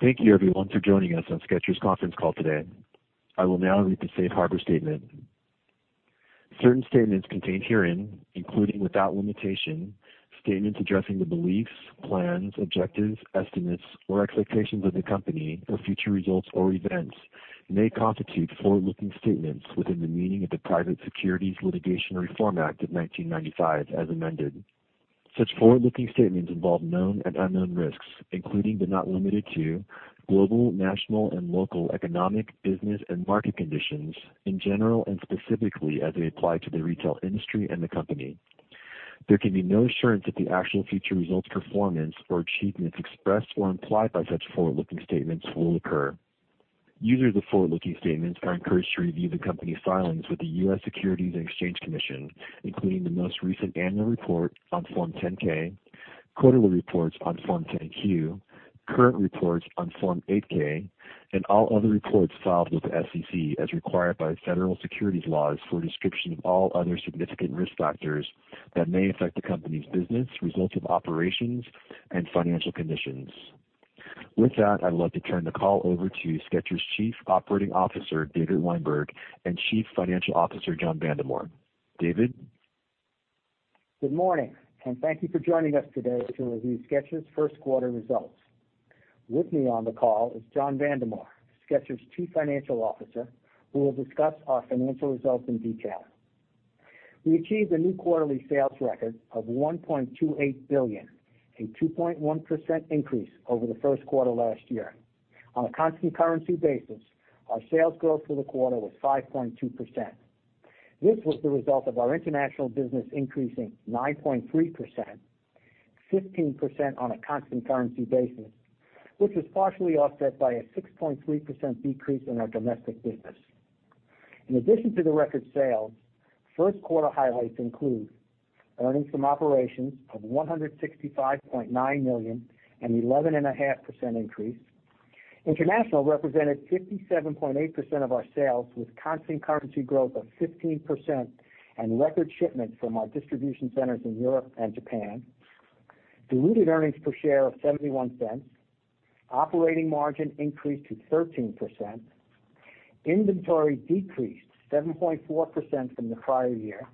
Thank you everyone for joining us on Skechers conference call today. I will now read the safe harbor statement. Certain statements contained herein, including without limitation, statements addressing the beliefs, plans, objectives, estimates or expectations of the company or future results or events may constitute forward-looking statements within the meaning of the Private Securities Litigation Reform Act of 1995 as amended. Such forward-looking statements involve known and unknown risks including, but not limited to global, national, and local economic business and market conditions in general, and specifically as they apply to the retail industry and the company. There can be no assurance that the actual future results, performance or achievements expressed or implied by such forward-looking statements will occur. Users of forward-looking statements are encouraged to review the company's filings with the U.S. Securities and Exchange Commission, including the most recent annual report on Form 10-K, quarterly reports on Form 10-Q, current reports on Form 8-K and all other reports filed with the SEC as required by federal securities laws for a description of all other significant risk factors that may affect the company's business, results of operations, and financial conditions. With that, I'd love to turn the call over to Skechers Chief Operating Officer, David Weinberg, and Chief Financial Officer, John Vandemore. David. Good morning, and thank you for joining us today to review Skechers' Q1 results. With me on the call is John Vandemore, Skechers' Chief Financial Officer, who will discuss our financial results in detail. We achieved a new quarterly sales record of $1.28 billion, a 2.1% increase over the first quarter last year. On a constant currency basis, our sales growth for the quarter was 5.2%. This was the result of our international business increasing 9.3%, 15% on a constant currency basis, which was partially offset by a 6.3% decrease in our domestic business. In addition to the record sales, first quarter highlights include earnings from operations of $165.9 million, an 11.5% increase. International represented 57.8% of our sales, with constant currency growth of 15% and record shipments from our distribution centers in Europe and Japan. Diluted earnings per share of $0.71. Operating margin increased to 13%. Inventory decreased 7.4% from the prior year.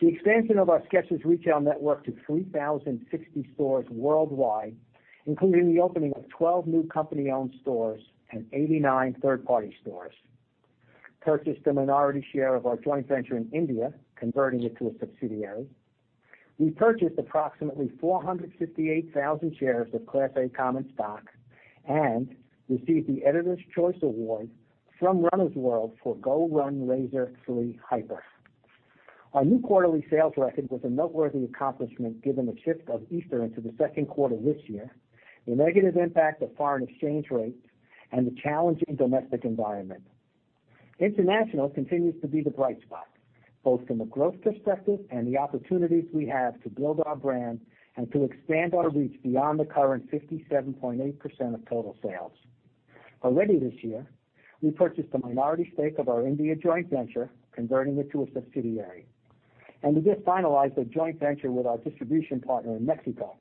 The expansion of our Skechers retail network to 3,060 stores worldwide, including the opening of 12 new company-owned stores and 89 third-party stores. Purchased a minority share of our joint venture in India, converting it to a subsidiary. We purchased approximately 458,000 shares of Class A common stock and received the Editor's Choice Award from Runner's World for GO RUN Razor 3 Hyper. Our new quarterly sales record was a noteworthy accomplishment given the shift of Easter into Q2 this year, the negative impact of foreign exchange rates, and the challenging domestic environment. International continues to be the bright spot, both from a growth perspective and the opportunities we have to build our brand and to expand our reach beyond the current 57.8% of total sales. Already this year, we purchased a minority stake of our India joint venture, converting it to a subsidiary, and we just finalized a joint venture with our distribution partner in Mexico.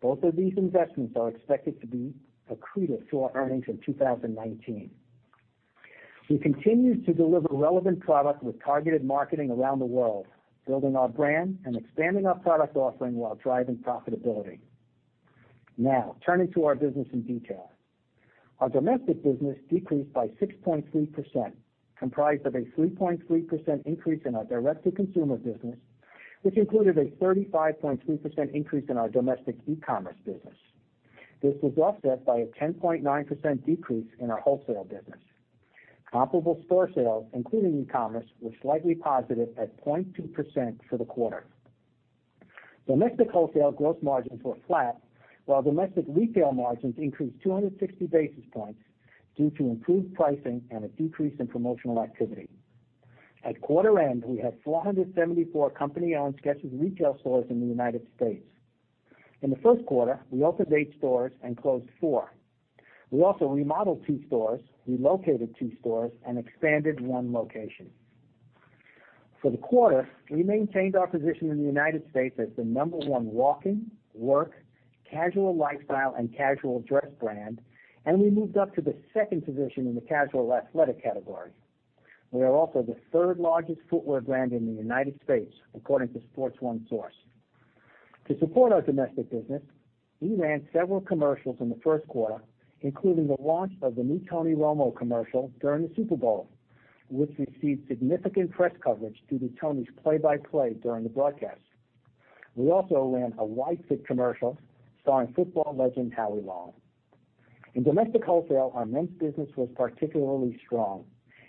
Both of these investments are expected to be accretive to our earnings in 2019. We continue to deliver relevant product with targeted marketing around the world, building our brand and expanding our product offering while driving profitability. Turning to our business in detail. Our domestic business decreased by 6.3%, comprised of a 3.3% increase in our direct-to-consumer business, which included a 35.3% increase in our domestic e-commerce business. This was offset by a 10.9% decrease in our wholesale business. Comparable store sales, including e-commerce, were slightly positive at 0.2% for the quarter. Domestic wholesale gross margins were flat, while domestic retail margins increased 260 basis points due to improved pricing and a decrease in promotional activity. At quarter end, we had 474 company-owned Skechers retail stores in the United States. In the first quarter, we opened eight stores and closed four. We also remodeled two stores, relocated two stores, and expanded one location. For the quarter, we maintained our position in the United States as the number one walking, work, casual lifestyle, and casual dress brand, and we moved up to the second position in the casual athletic category. We are also the third largest footwear brand in the United States, according to SportsOne Source. To support our domestic business, we ran several commercials in the first quarter, including the launch of the new Tony Romo commercial during the Super Bowl, which received significant press coverage due to Tony's play-by-play during the broadcast. We also ran a wide fit commercial starring football legend Howie Long. In domestic wholesale, our men's business was particularly strong,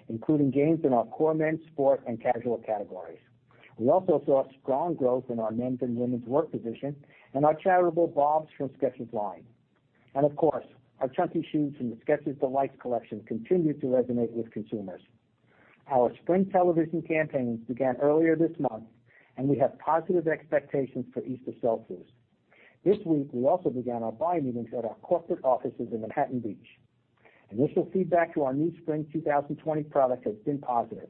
including gains in our core men's sport and casual categories. We also saw strong growth in our men's and women's work position and our Charitable BOBS from Skechers line. Of course, our chunky shoes from the Skechers D'Lites collection continued to resonate with consumers. Our spring television campaigns began earlier this month, and we have positive expectations for Easter sales boost. This week, we also began our buying meetings at our corporate offices in Manhattan Beach. Initial feedback to our new Spring 2020 product has been positive.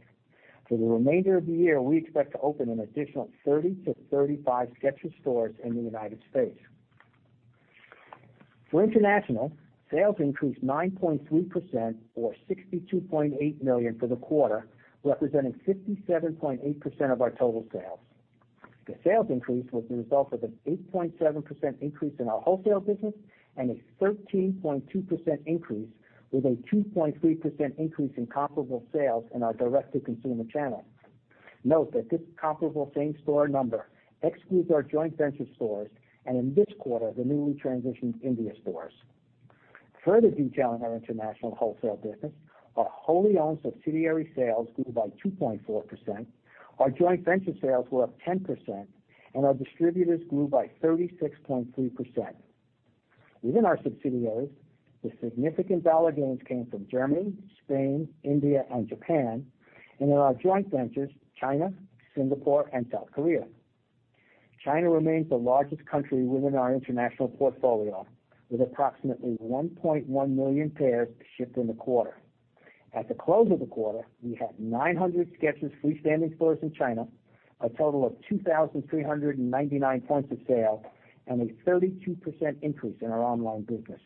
For the remainder of the year, we expect to open an additional 30 to 35 Skechers stores in the United States. For international, sales increased 9.3%, or $62.8 million for the quarter, representing 57.8% of our total sales. The sales increase was the result of an 8.7% increase in our wholesale business and a 13.2% increase with a 2.3% increase in comparable sales in our direct-to-consumer channel. Note that this comparable same-store number excludes our joint venture stores and, in this quarter, the newly transitioned India stores. Further detail on our international wholesale business, our wholly owned subsidiary sales grew by 2.4%, our joint venture sales were up 10%, and our distributors grew by 36.3%. Within our subsidiaries, the significant dollar gains came from Germany, Spain, India, and Japan. In our joint ventures, China, Singapore, and South Korea. China remains the largest country within our international portfolio, with approximately 1.1 million pairs shipped in the quarter. At the close of the quarter, we had 900 Skechers freestanding stores in China, a total of 2,399 points of sale, and a 32% increase in our online business.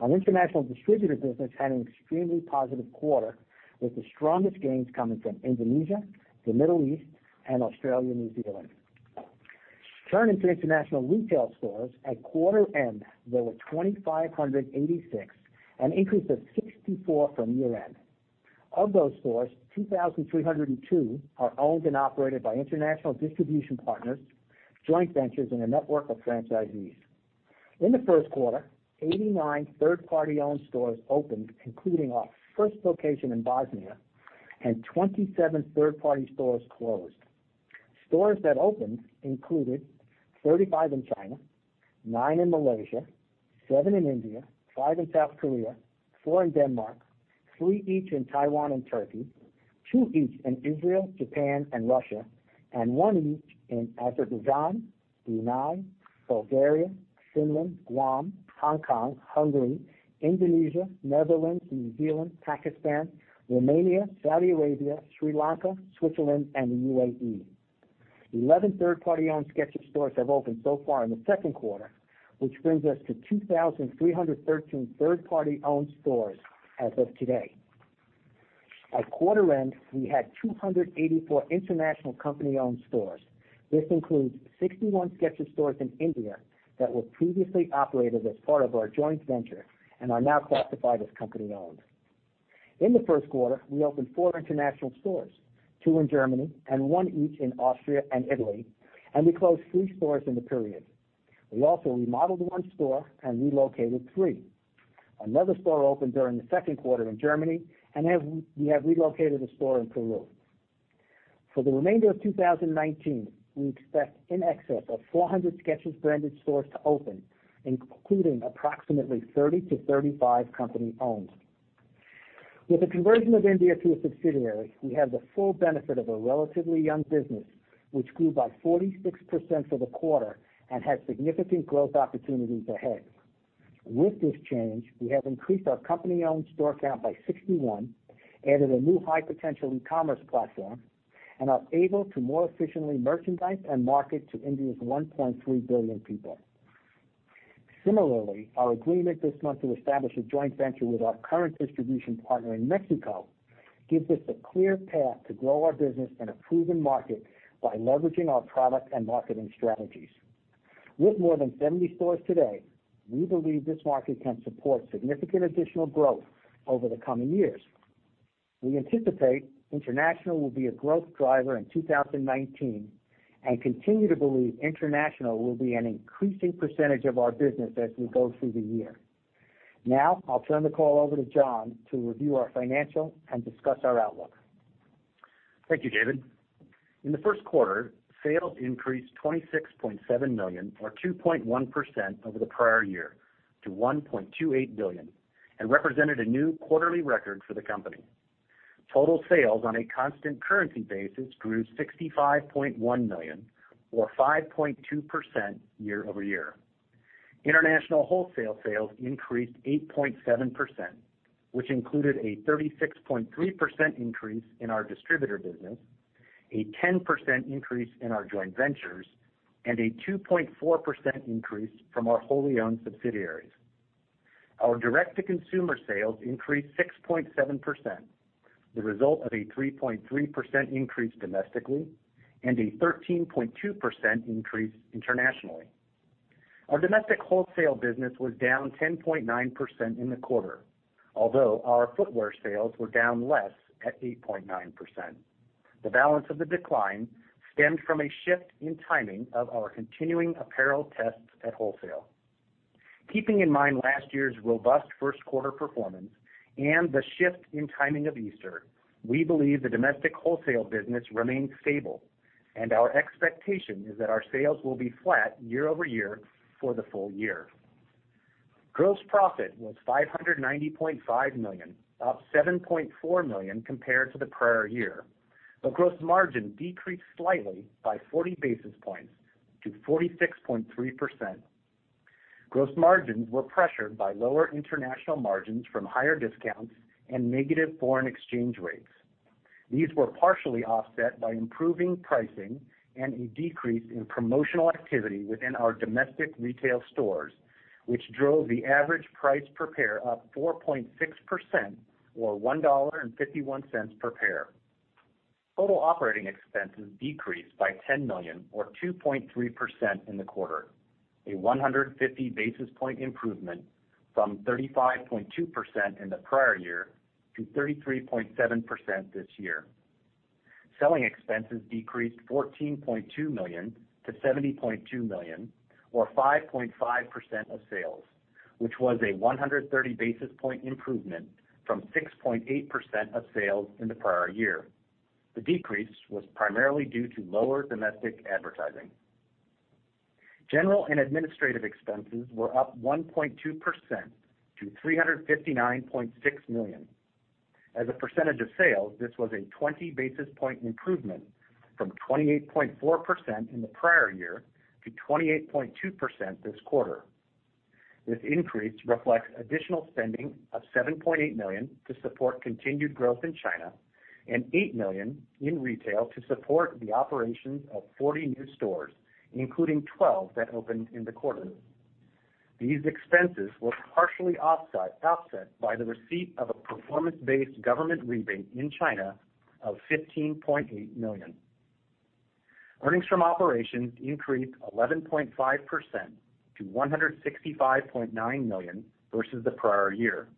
Our international distributor business had an extremely positive quarter, with the strongest gains coming from Indonesia, the Middle East, and Australia, New Zealand. Turning to international retail stores, at quarter end, there were 2,586, an increase of 64 from year end. Of those stores, 2,302 are owned and operated by international distribution partners, joint ventures, and a network of franchisees. In the first quarter, 89 third-party owned stores opened, including our first location in Bosnia, and 27 third-party stores closed. Stores that opened included 35 in China, nine in Malaysia, seven in India, five in South Korea, four in Denmark, three each in Taiwan and Turkey, two each in Israel, Japan, and Russia, and one each in Azerbaijan, Brunei, Bulgaria, Finland, Guam, Hong Kong, Hungary, Indonesia, Netherlands, New Zealand, Pakistan, Romania, Saudi Arabia, Sri Lanka, Switzerland, and the UAE. 11 third-party owned Skechers stores have opened so far in the second quarter, which brings us to 2,313 third-party owned stores as of today. At quarter end, we had 284 international company-owned stores. This includes 61 Skechers stores in India that were previously operated as part of our joint venture and are now classified as company-owned. In the first quarter, we opened four international stores, two in Germany and one each in Austria and Italy, and we closed three stores in the period. We also remodeled one store and relocated three. Another store opened during the second quarter in Germany, and we have relocated a store in Peru. For the remainder of 2019, we expect in excess of 400 Skechers-branded stores to open, including approximately 30 to 35 company owned. With the conversion of India to a subsidiary, we have the full benefit of a relatively young business, which grew by 46% for the quarter and has significant growth opportunities ahead. With this change, we have increased our company-owned store count by 61, added a new high potential e-commerce platform, and are able to more efficiently merchandise and market to India's 1.3 billion people. Similarly, our agreement this month to establish a joint venture with our current distribution partner in Mexico gives us a clear path to grow our business in a proven market by leveraging our product and marketing strategies. With more than 70 stores today, we believe this market can support significant additional growth over the coming years. We anticipate international will be a growth driver in 2019 and continue to believe international will be an increasing percentage of our business as we go through the year. I'll turn the call over to John to review our financial and discuss our outlook. Thank you, David. In Q1, sales increased $26.7 million, or 2.1% over the prior year to $1.28 billion, represented a new quarterly record for the company. Total sales on a constant currency basis grew $65.1 million or 5.2% year-over-year. International wholesale sales increased 8.7%, which included a 36.3% increase in our distributor business, a 10% increase in our joint ventures, and a 2.4% increase from our wholly owned subsidiaries. Our direct-to-consumer sales increased 6.7%, the result of a 3.3% increase domestically and a 13.2% increase internationally. Our domestic wholesale business was down 10.9% in the quarter, although our footwear sales were down less at 8.9%. The balance of the decline stemmed from a shift in timing of our continuing apparel tests at wholesale. Keeping in mind last year's robust Q1 performance and the shift in timing of Easter, we believe the domestic wholesale business remains stable, and our expectation is that our sales will be flat year-over-year for the full year. Gross profit was $590.5 million, up $7.4 million compared to the prior year. Gross margin decreased slightly by 40 basis points to 46.3%. Gross margins were pressured by lower international margins from higher discounts and negative foreign exchange rates. These were partially offset by improving pricing and a decrease in promotional activity within our domestic retail stores, which drove the average price per pair up 4.6%, or $1.51 per pair. Total operating expenses decreased by $10 million, or 2.3%, in the quarter, a 150 basis point improvement from 35.2% in the prior year to 33.7% this year. Selling expenses decreased $14.2 million - $70.2 million, or 5.5% of sales, which was a 130 basis point improvement from 6.8% of sales in the prior year. The decrease was primarily due to lower domestic advertising. General and administrative expenses were up 1.2% to $359.6 million. As a percentage of sales, this was a 20 basis point improvement from 28.4% in the prior year to 28.2% this quarter. This increase reflects additional spending of $7.8 million to support continued growth in China and $8 million in retail to support the operations of 40 new stores, including 12 that opened in the quarter. These expenses were partially offset by the receipt of a performance-based government rebate in China of $15.8 million. Earnings from operations increased 11.5% to $165.9 million versus the prior year.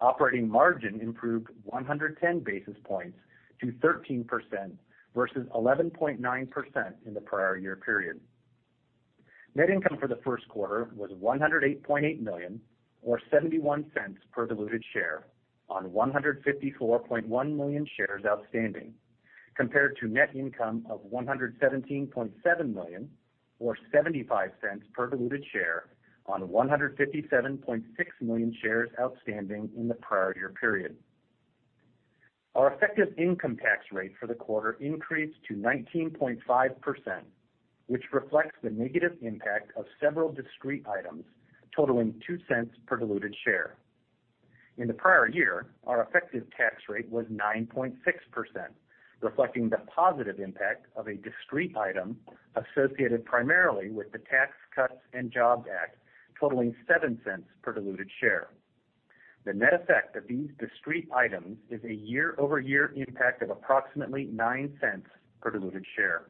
Operating margin improved 110 basis points to 13% versus 11.9% in the prior year period. Net income for Q1 was $108.8 million, or $0.71 per diluted share on 154.1 million shares outstanding, compared to net income of $117.7 million or $0.75 per diluted share on 157.6 million shares outstanding in the prior year period. Our effective income tax rate for the quarter increased to 19.5%, which reflects the negative impact of several discrete items totaling $0.02 per diluted share. In the prior year, our effective tax rate was 9.6%, reflecting the positive impact of a discrete item associated primarily with the Tax Cuts and Jobs Act, totaling $0.07 per diluted share. The net effect of these discrete items is a year-over-year impact of approximately $0.09 per diluted share.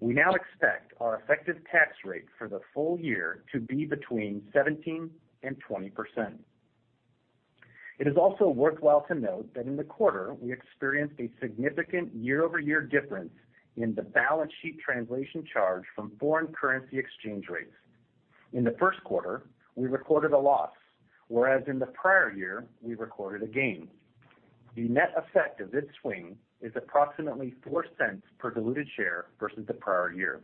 We now expect our effective tax rate for the full year to be between 17% and 20%. It is also worthwhile to note that in the quarter, we experienced a significant year-over-year difference in the balance sheet translation charge from foreign currency exchange rates. In the first quarter, we recorded a loss, whereas in the prior year, we recorded a gain. The net effect of this swing is approximately $0.04 per diluted share versus the prior year.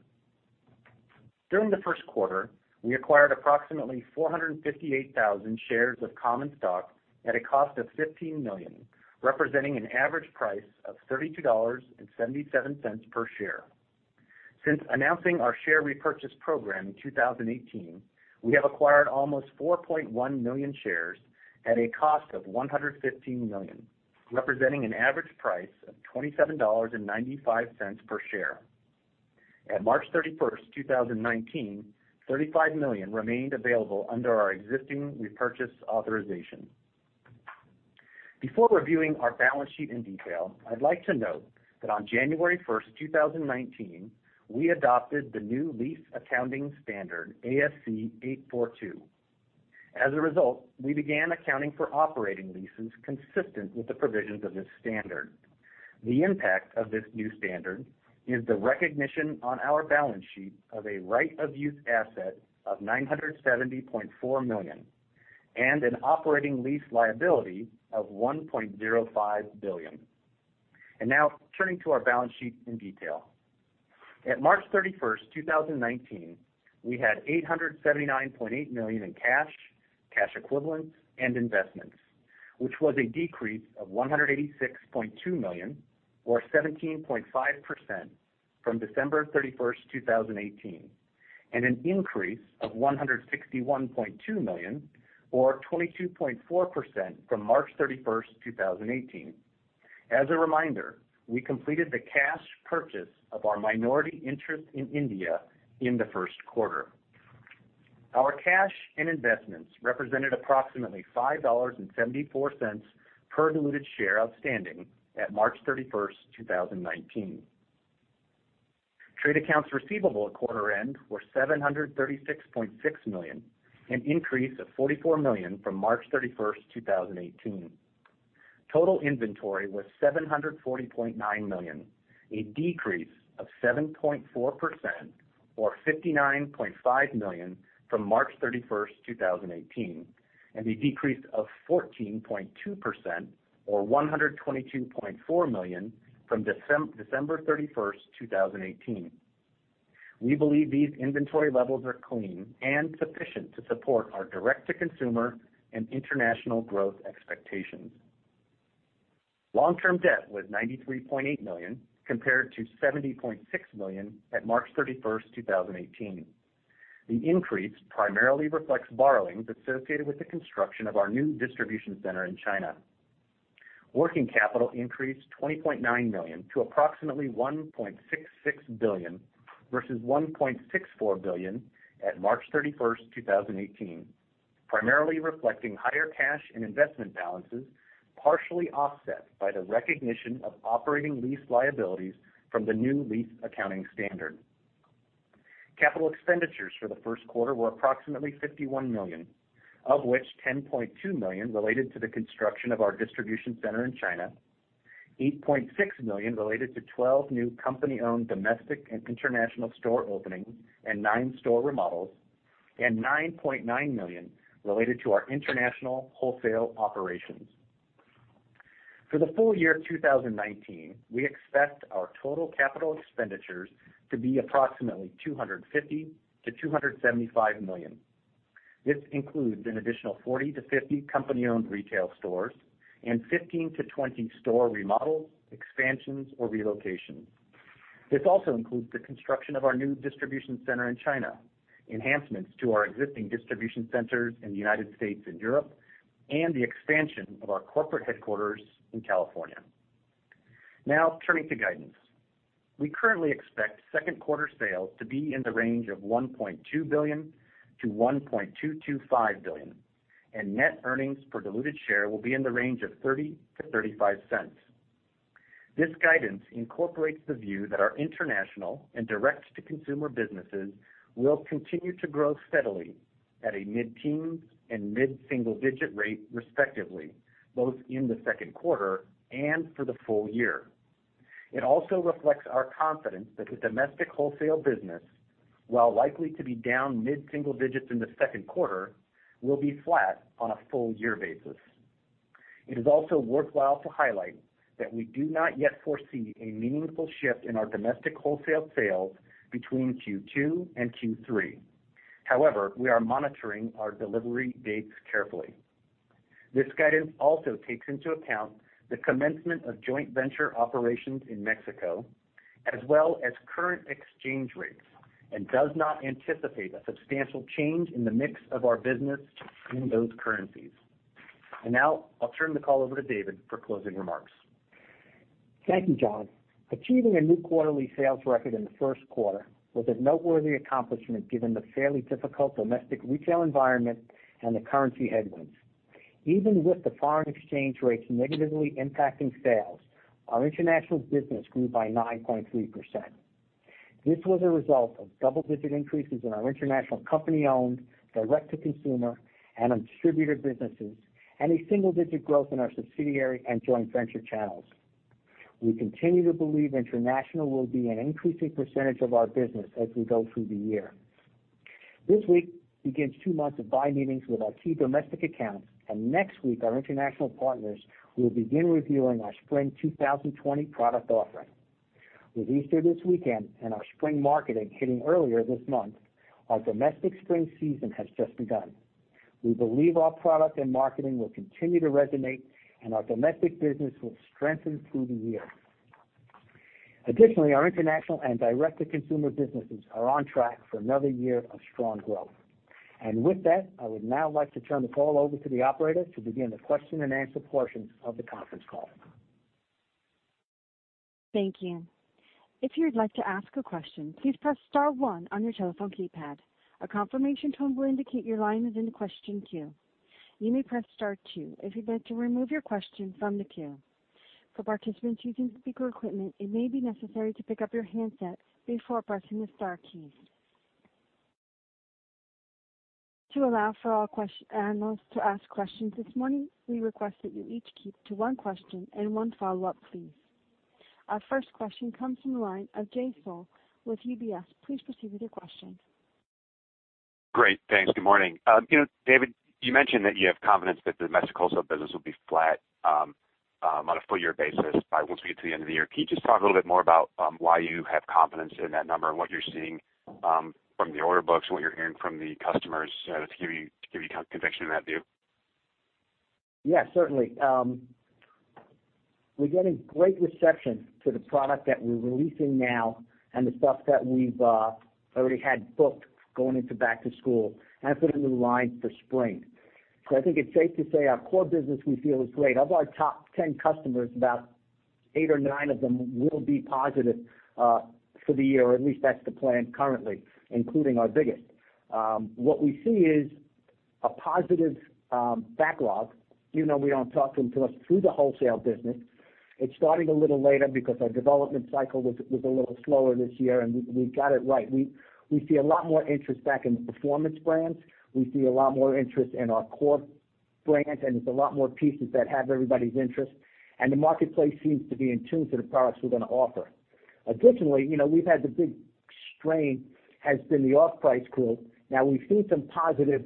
During Q1, we acquired approximately 458,000 shares of common stock at a cost of $15 million, representing an average price of $32.77 per share. Since announcing our share repurchase program in 2018, we have acquired almost 4.1 million shares at a cost of $115 million, representing an average price of $27.95 per share. At March 31st, 2019, $35 million remained available under our existing repurchase authorization. Before reviewing our balance sheet in detail, I'd like to note that on January 1st, 2019, we adopted the new lease accounting standard, ASC 842. As a result, we began accounting for operating leases consistent with the provisions of this standard. The impact of this new standard is the recognition on our balance sheet of a right-of-use asset of $970.4 million and an operating lease liability of $1.05 billion. Now turning to our balance sheet in detail. At March 31st, 2019, we had $879.8 million in cash equivalents, and investments, which was a decrease of $186.2 million, or 17.5%, from December 31st, 2018, and an increase of $161.2 million, or 22.4%, from March 31st, 2018. As a reminder, we completed the cash purchase of our minority interest in India in the first quarter. Our cash and investments represented approximately $5.74 per diluted share outstanding at March 31st, 2019. Trade accounts receivable at quarter end were $736.6 million, an increase of $44 million from March 31st, 2018. Total inventory was $740.9 million, a decrease of 7.4%, or $59.5 million from March 31st, 2018, and a decrease of 14.2%, or $122.4 million from December 31st, 2018. We believe these inventory levels are clean and sufficient to support our direct-to-consumer and international growth expectations. Long-term debt was $93.8 million compared to $70.6 million at March 31st, 2018. The increase primarily reflects borrowings associated with the construction of our new distribution center in China. Working capital increased $20.9 million to approximately $1.66 billion, versus $1.64 billion at March 31st, 2018, primarily reflecting higher cash and investment balances, partially offset by the recognition of operating lease liabilities from the new lease accounting standard. Capital expenditures for the first quarter were approximately $51 million, of which $10.2 million related to the construction of our distribution center in China, $8.6 million related to 12 new company-owned domestic and international store openings and nine store remodels, and $9.9 million related to our international wholesale operations. For the full year 2019, we expect our total capital expenditures to be approximately $250 million-$275 million. This includes an additional 40-50 company-owned retail stores and 15-20 store remodels, expansions, or relocations. This also includes the construction of our new distribution center in China, enhancements to our existing distribution centers in the United States and Europe, and the expansion of our corporate headquarters in California. Now turning to guidance. We currently expect second quarter sales to be in the range of $1.2 billion-$1.225 billion, net earnings per diluted share will be in the range of $0.30-$0.35. This guidance incorporates the view that our international and direct-to-consumer businesses will continue to grow steadily at a mid-teen and mid-single-digit rate, respectively, both in the second quarter and for the full year. It also reflects our confidence that the domestic wholesale business, while likely to be down mid-single digits in the second quarter, will be flat on a full year basis. It is also worthwhile to highlight that we do not yet foresee a meaningful shift in our domestic wholesale sales between Q2 and Q3. However, we are monitoring our delivery dates carefully. This guidance also takes into account the commencement of joint venture operations in Mexico, as well as current exchange rates, and does not anticipate a substantial change in the mix of our business in those currencies. Now I'll turn the call over to David for closing remarks. Thank you, John. Achieving a new quarterly sales record in the first quarter was a noteworthy accomplishment given the fairly difficult domestic retail environment and the currency headwinds. Even with the foreign exchange rates negatively impacting sales, our international business grew by 9.3%. This was a result of double-digit increases in our international company-owned direct-to-consumer and distributor businesses, and a single-digit growth in our subsidiary and joint venture channels. We continue to believe international will be an increasing percentage of our business as we go through the year. This week begins two months of buy meetings with our key domestic accounts, and next week, our international partners will begin reviewing our Spring 2020 product offering. With Easter this weekend and our spring marketing hitting earlier this month, our domestic spring season has just begun. We believe our product and marketing will continue to resonate and our domestic business will strengthen through the year. Additionally, our international and direct-to-consumer businesses are on track for another year of strong growth. With that, I would now like to turn the call over to the operator to begin the question and answer portion of the conference call. Thank you. If you would like to ask a question, please press star one on your telephone keypad. A confirmation tone will indicate your line is in the question queue. You may press star two if you'd like to remove your question from the queue. For participants using speaker equipment, it may be necessary to pick up your handset before pressing the star keys. To allow for all analysts to ask questions this morning, we request that you each keep to one question and one follow-up, please. Our first question comes from the line of Jay Sole with UBS. Please proceed with your question. Great, thanks. Good morning. David, you mentioned that you have confidence that the domestic wholesale business will be flat on a full year basis by once we get to the end of the year. Can you just talk a little bit more about why you have confidence in that number and what you're seeing from the order books, what you're hearing from the customers to give you conviction in that view? Yeah, certainly. We're getting great reception to the product that we're releasing now and the stuff that we've already had booked going into back to school and for the new lines for spring. I think it's safe to say our core business we feel is great. Of our top 10 customers, about eight or nine of them will be positive for the year, or at least that's the plan currently, including our biggest. What we see is a positive backlog, even though we aren't talking to us through the wholesale business. It's starting a little later because our development cycle was a little slower this year, and we got it right. We see a lot more interest back in the performance brands. We see a lot more interest in our core brands, and there's a lot more pieces that have everybody's interest. The marketplace seems to be in tune to the products we're going to offer. Additionally, we've had the big strain has been the off-price group. Now we've seen some positive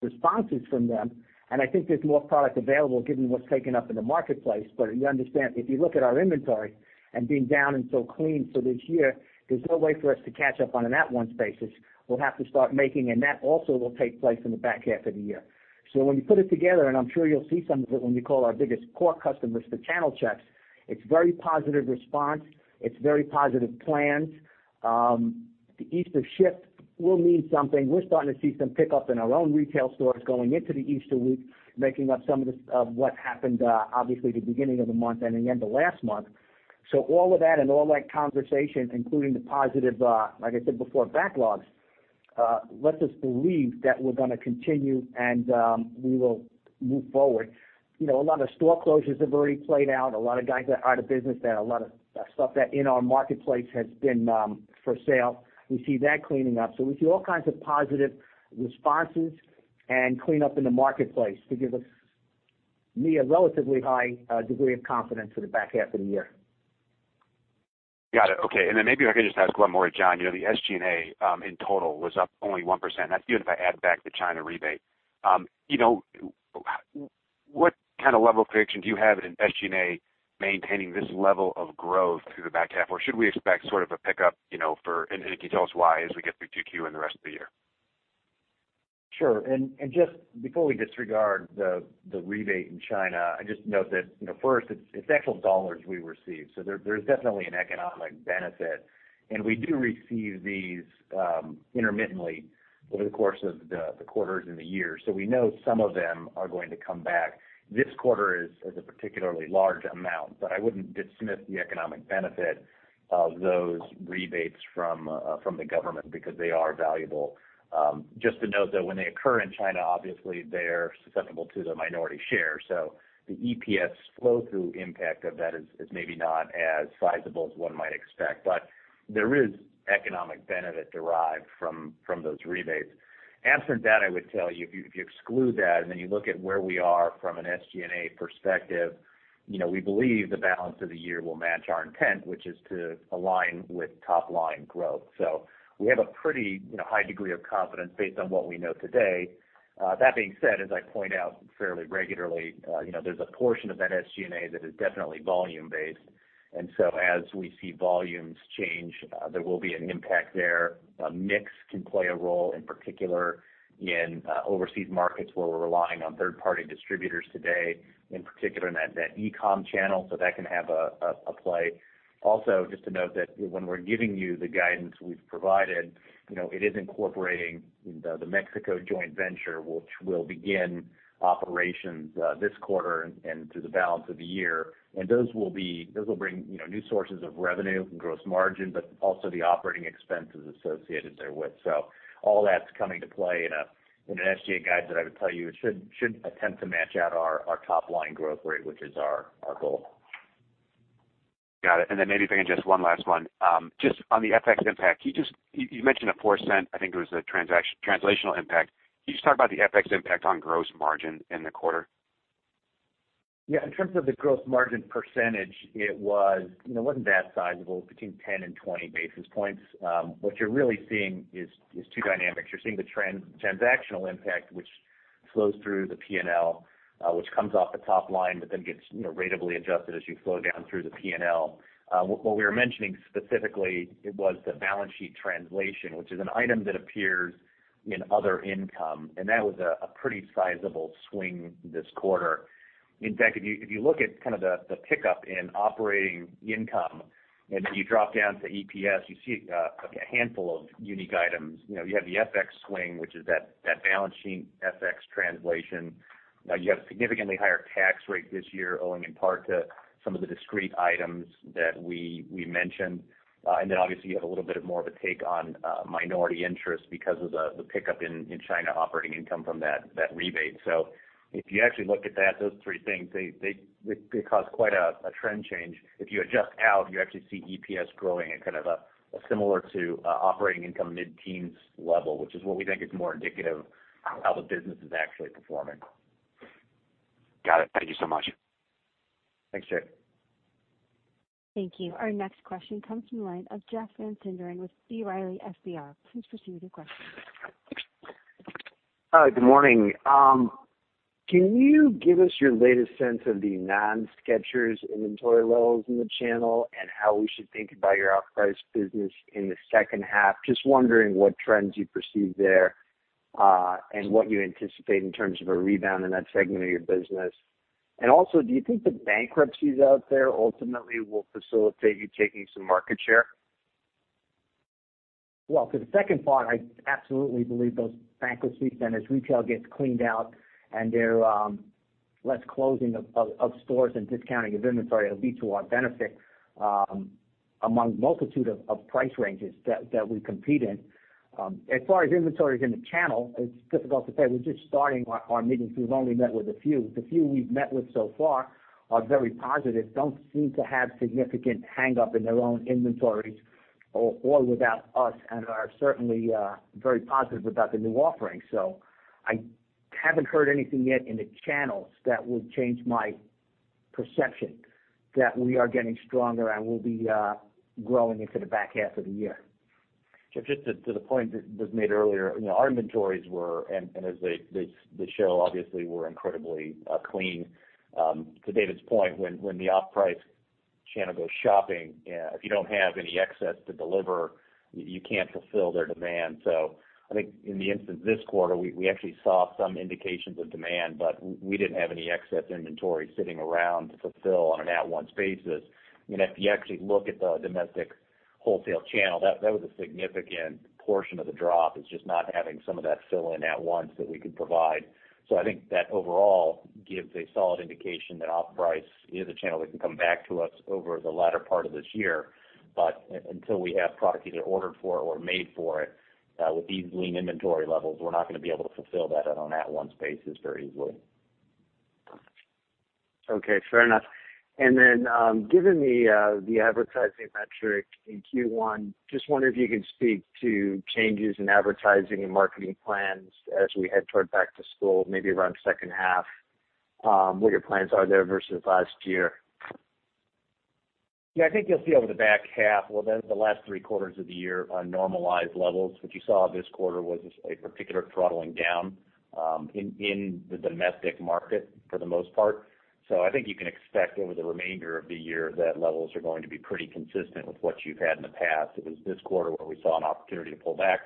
responses from them, and I think there's more product available given what's taken up in the marketplace. You understand, if you look at our inventory and being down and so clean for this year, there's no way for us to catch up on an at-once basis. We'll have to start making, and that also will take place in the back half of the year. When you put it together, and I'm sure you'll see some of it when we call our biggest core customers for channel checks, it's very positive response. It's very positive plans. The Easter shift will mean something. We're starting to see some pickup in our own retail stores going into the Easter week, making up some of what happened, obviously, the beginning of the month and again the last month. All of that and all that conversation, including the positive, like I said before, backlogs, lets us believe that we're going to continue, and we will move forward. A lot of store closures have already played out. A lot of guys are out of business. A lot of stuff that in our marketplace has been for sale. We see that cleaning up. We see all kinds of positive responses and clean up in the marketplace to give me a relatively high degree of confidence for the back half of the year. Got it. Okay. Then maybe if I could just ask one more, John. The SG&A in total was up only 1%. That's even if I add back the China rebate. What kind of level prediction do you have in SG&A maintaining this level of growth through the back half? Or should we expect sort of a pickup for, and can you tell us why as we get through 2Q and the rest of the year? Sure. Just before we disregard the rebate in China, I just note that first, it's actual dollars we receive. There's definitely an economic benefit, and we do receive these intermittently over the course of the quarters and the year. We know some of them are going to come back. This quarter is a particularly large amount, but I wouldn't dismiss the economic benefit of those rebates from the government because they are valuable. Just to note, though, when they occur in China, obviously, they're susceptible to the minority share. The EPS flow-through impact of that is maybe not as sizable as one might expect, but there is economic benefit derived from those rebates. Absent that, I would tell you, if you exclude that and then you look at where we are from an SG&A perspective, we believe the balance of the year will match our intent, which is to align with top-line growth. We have a pretty high degree of confidence based on what we know today. That being said, as I point out fairly regularly, there's a portion of that SG&A that is definitely volume based. As we see volumes change, there will be an impact there. Mix can play a role, in particular in overseas markets where we're relying on third-party distributors today, in particular in that e-com channel. That can have a play. Also, just to note that when we're giving you the guidance we've provided, it is incorporating the Mexico joint venture, which will begin operations this quarter and through the balance of the year. Those will bring new sources of revenue and gross margin, but also the operating expenses associated therewith. All that's coming to play in an SG&A guide that I would tell you it should attempt to match out our top line growth rate, which is our goal. Got it. Then maybe if I can, just one last one. Just on the FX impact. You mentioned a $0.04, I think it was, the translational impact. Can you just talk about the FX impact on gross margin in the quarter? Yeah. In terms of the gross margin percentage, it wasn't that sizable, between 10 and 20 basis points. What you're really seeing is two dynamics. You're seeing the transactional impact, which flows through the P&L, which comes off the top line, but then gets ratably adjusted as you flow down through the P&L. What we were mentioning specifically was the balance sheet translation, which is an item that appears in other income, and that was a pretty sizable swing this quarter. In fact, if you look at kind of the pickup in operating income and you drop down to EPS, you see a handful of unique items. You have the FX swing, which is that balance sheet FX translation. You have a significantly higher tax rate this year owing in part to some of the discrete items that we mentioned. Then obviously, you have a little bit more of a take on minority interest because of the pickup in China operating income from that rebate. If you actually look at that, those three things, they cause quite a trend change. If you adjust out, you actually see EPS growing at kind of a similar to operating income mid-teens level, which is what we think is more indicative of how the business is actually performing. Got it. Thank you so much. Thanks, Jay. Thank you. Our next question comes from the line of Jeff Van Sinderen with B. Riley FBR. Please proceed with your question. Hi. Good morning. Can you give us your latest sense of the non-Skechers inventory levels in the channel and how we should think about your off-price business in the second half? Just wondering what trends you perceive there, and what you anticipate in terms of a rebound in that segment of your business. Also, do you think the bankruptcies out there ultimately will facilitate you taking some market share? Well, for the second part, I absolutely believe those bankruptcies, as retail gets cleaned out and there are less closing of stores and discounting of inventory, it'll be to our benefit among multitude of price ranges that we compete in. As far as inventories in the channel, it's difficult to say. We're just starting our meetings. We've only met with a few. The few we've met with so far are very positive, don't seem to have significant hangup in their own inventories or without us and are certainly very positive about the new offerings. I haven't heard anything yet in the channels that would change my perception that we are getting stronger and we'll be growing into the back half of the year. Just to the point that was made earlier, our inventories were, and as they show, obviously, were incredibly clean. To David's point, when the off-price channel goes shopping, if you don't have any excess to deliver, you can't fulfill their demand. I think in the instance this quarter, we actually saw some indications of demand, but we didn't have any excess inventory sitting around to fulfill on an at-once basis. If you actually look at the domestic wholesale channel, that was a significant portion of the drop, is just not having some of that fill in at once that we could provide. I think that overall gives a solid indication that off-price is a channel that can come back to us over the latter part of this year. Until we have product either ordered for or made for it, with these lean inventory levels, we're not going to be able to fulfill that on an at-once basis very easily. Okay, fair enough. Given the advertising metric in Q1, just wonder if you could speak to changes in advertising and marketing plans as we head toward back to school, maybe around second half, what your plans are there versus last year. Yeah, I think you'll see over the back half, well, the last three quarters of the year on normalized levels. What you saw this quarter was a particular throttling down in the domestic market for the most part. I think you can expect over the remainder of the year that levels are going to be pretty consistent with what you've had in the past. It was this quarter where we saw an opportunity to pull back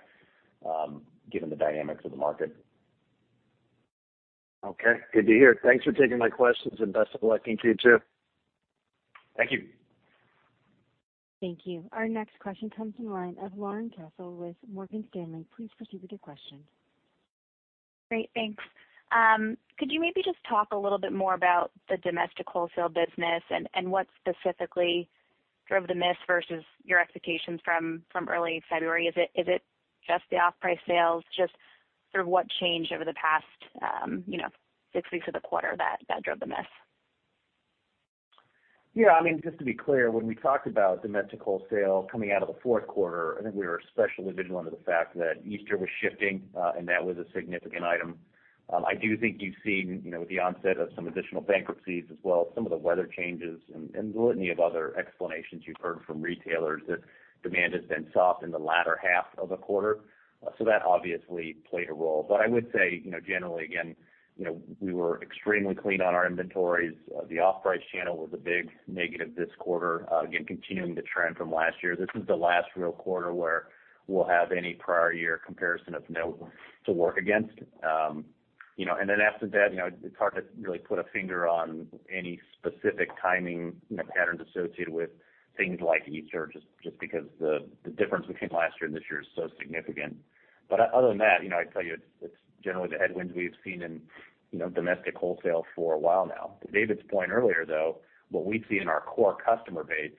given the dynamics of the market. Okay. Good to hear. Thanks for taking my questions, and best of luck in Q2. Thank you. Thank you. Our next question comes in line of Lauren Cassel with Morgan Stanley. Please proceed with your question. Great. Thanks. Could you maybe just talk a little bit more about the domestic wholesale business and what specifically drove the miss versus your expectations from early February? Is it just the off-price sales? Just sort of what changed over the past six weeks of the quarter that drove the miss? Yeah, just to be clear, when we talked about domestic wholesale coming out of the fourth quarter, I think we were especially vigilant of the fact that Easter was shifting, and that was a significant item. I do think you've seen the onset of some additional bankruptcies as well, some of the weather changes and the litany of other explanations you've heard from retailers that demand has been soft in the latter half of the quarter. That obviously played a role. I would say, generally, again, we were extremely clean on our inventories. The off-price channel was a big negative this quarter. Again, continuing the trend from last year. This is the last real quarter where we'll have any prior year comparison to work against. After that, it's hard to really put a finger on any specific timing patterns associated with things like Easter, just because the difference between last year and this year is so significant. Other than that, I'd tell you, it's generally the headwinds we've seen in domestic wholesale for a while now. To David's point earlier, though, what we've seen in our core customer base,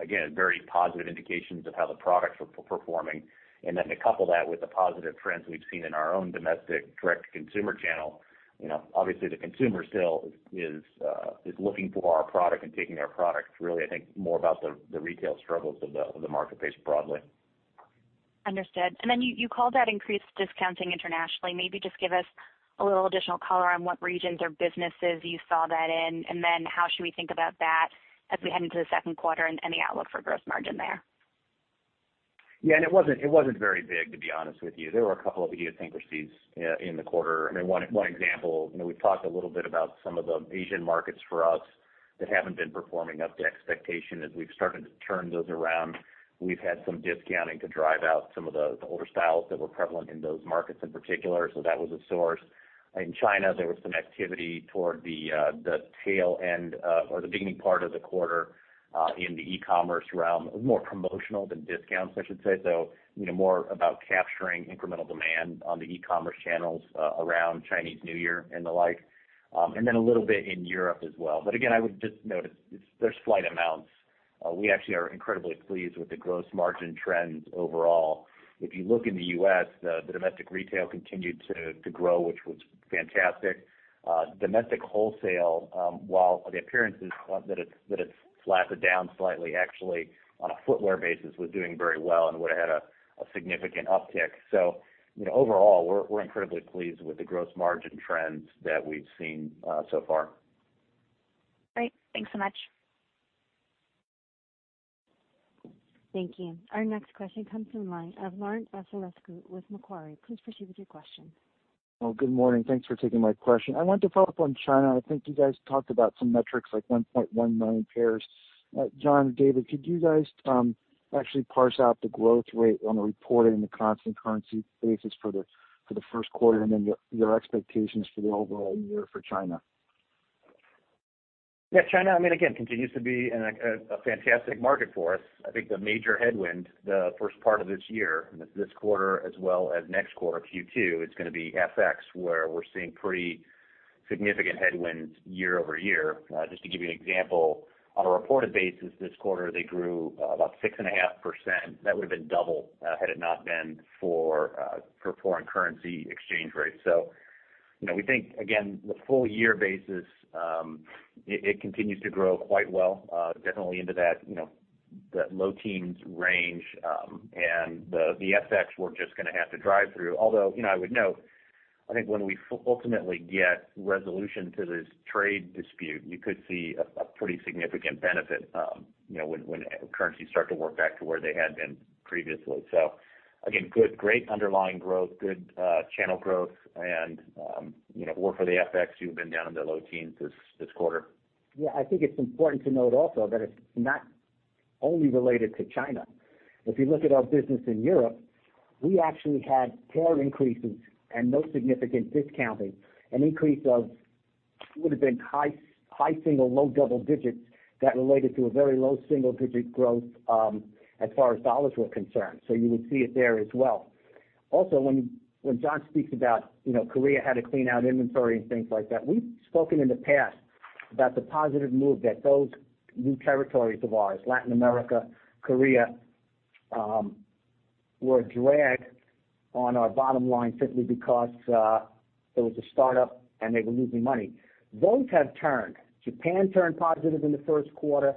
again, very positive indications of how the products were performing. To couple that with the positive trends we've seen in our own domestic direct-to-consumer channel. Obviously, the consumer still is looking for our product and taking our product. It's really, I think, more about the retail struggles of the marketplace broadly. Understood. Then you called out increased discounting internationally. Maybe just give us a little additional color on what regions or businesses you saw that in, and then how should we think about that as we head into the second quarter and the outlook for gross margin there? It wasn't very big, to be honest with you. There were a couple of big bankruptcies in the quarter. One example, we've talked a little bit about some of the Asian markets for us that haven't been performing up to expectation. As we've started to turn those around, we've had some discounting to drive out some of the older styles that were prevalent in those markets in particular. That was a source. In China, there was some activity toward the tail end or the beginning part of the quarter in the e-commerce realm. It was more promotional than discounts, I should say. More about capturing incremental demand on the e-commerce channels around Chinese New Year and the like. Then a little bit in Europe as well. Again, I would just note, they're slight amounts. We actually are incredibly pleased with the gross margin trends overall. If you look in the U.S., the domestic retail continued to grow, which was fantastic. Domestic wholesale, while the appearance is that it's flattered down slightly, actually, on a footwear basis, was doing very well and would've had a significant uptick. Overall, we're incredibly pleased with the gross margin trends that we've seen so far. Great. Thanks so much. Thank you. Our next question comes from the line of Laurent Vasilescu with Macquarie. Please proceed with your question. Good morning. Thanks for taking my question. I wanted to follow up on China. I think you guys talked about some metrics like 1.1 million pairs. John or David, could you guys actually parse out the growth rate on the reported and the constant currency basis for the first quarter, and then your expectations for the overall year for China? Yeah. China, again, continues to be a fantastic market for us. I think the major headwind the first part of this year, this quarter as well as next quarter, Q2, it's going to be FX, where we're seeing pretty significant headwinds year-over-year. Just to give you an example, on a reported basis this quarter, they grew about 6.5%. That would have been double had it not been for foreign currency exchange rates. We think, again, the full year basis, it continues to grow quite well. Definitely into that low teens range. The FX we're just going to have to drive through. Although, I would note, I think when we ultimately get resolution to this trade dispute, you could see a pretty significant benefit when currencies start to work back to where they had been previously. Again, great underlying growth, good channel growth and, were it for the FX, you'd have been down in the low teens this quarter. Yeah, I think it's important to note also that it's not only related to China. If you look at our business in Europe, we actually had tariff increases and no significant discounting. An increase of what would've been high single, low double digits that related to a very low single-digit growth, as far as dollars were concerned. You would see it there as well. Also, when John speaks about Korea had to clean out inventory and things like that, we've spoken in the past about the positive move that those new territories of ours, Latin America, Korea, were a drag on our bottom line simply because it was a startup and they were losing money. Those have turned. Japan turned positive in the first quarter.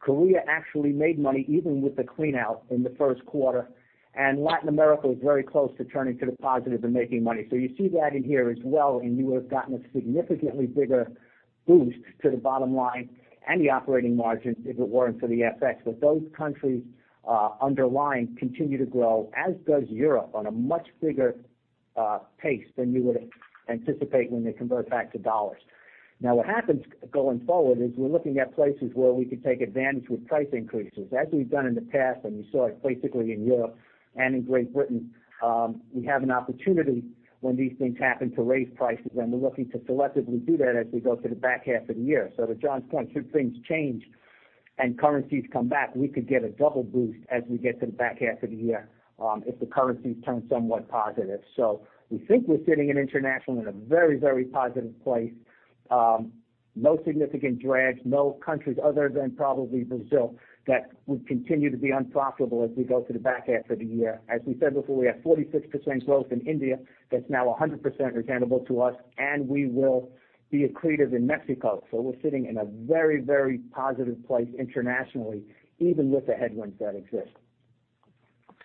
Korea actually made money even with the cleanout in the first quarter, and Latin America was very close to turning to the positive and making money. You see that in here as well, and you would've gotten a significantly bigger boost to the bottom line and the operating margins if it weren't for the FX. Those countries, underlying, continue to grow, as does Europe, on a much bigger pace than you would anticipate when they convert back to dollars. What happens going forward is we're looking at places where we could take advantage with price increases, as we've done in the past, and you saw it basically in Europe and in Great Britain. We have an opportunity when these things happen to raise prices, and we're looking to selectively do that as we go through the back half of the year. To John's point, should things change and currencies come back, we could get a double boost as we get to the back half of the year, if the currencies turn somewhat positive. We think we're sitting in international in a very, very positive place. No significant drags, no countries other than probably Brazil that would continue to be unprofitable as we go through the back half of the year. As we said before, we had 46% growth in India that's now 100% attributable to us, and we will be accretive in Mexico. We're sitting in a very, very positive place internationally, even with the headwinds that exist.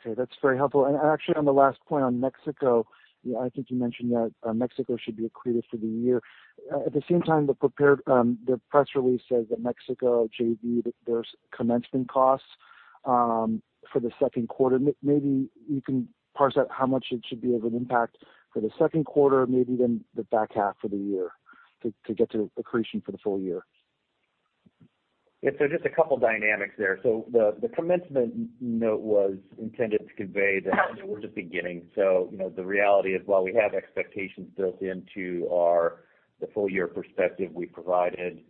Okay, that's very helpful. Actually on the last point on Mexico, I think you mentioned that Mexico should be accretive for the year. At the same time, the press release says that Mexico JV, there's commencement costs for the second quarter. Maybe you can parse out how much it should be of an impact for Q2, maybe then the back half of the year to get to accretion for the full year? Just a couple dynamics there. The commencement note was intended to convey that we're just beginning. The reality is, while we have expectations built into the full-year perspective we provided,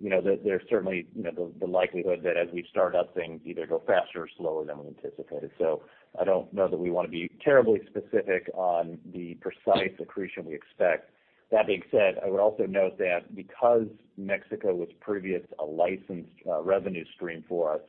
there's certainly the likelihood that as we start up things either go faster or slower than we anticipated. I don't know that we want to be terribly specific on the precise accretion we expect. That being said, I would also note that because Mexico was previously a licensed revenue stream for us,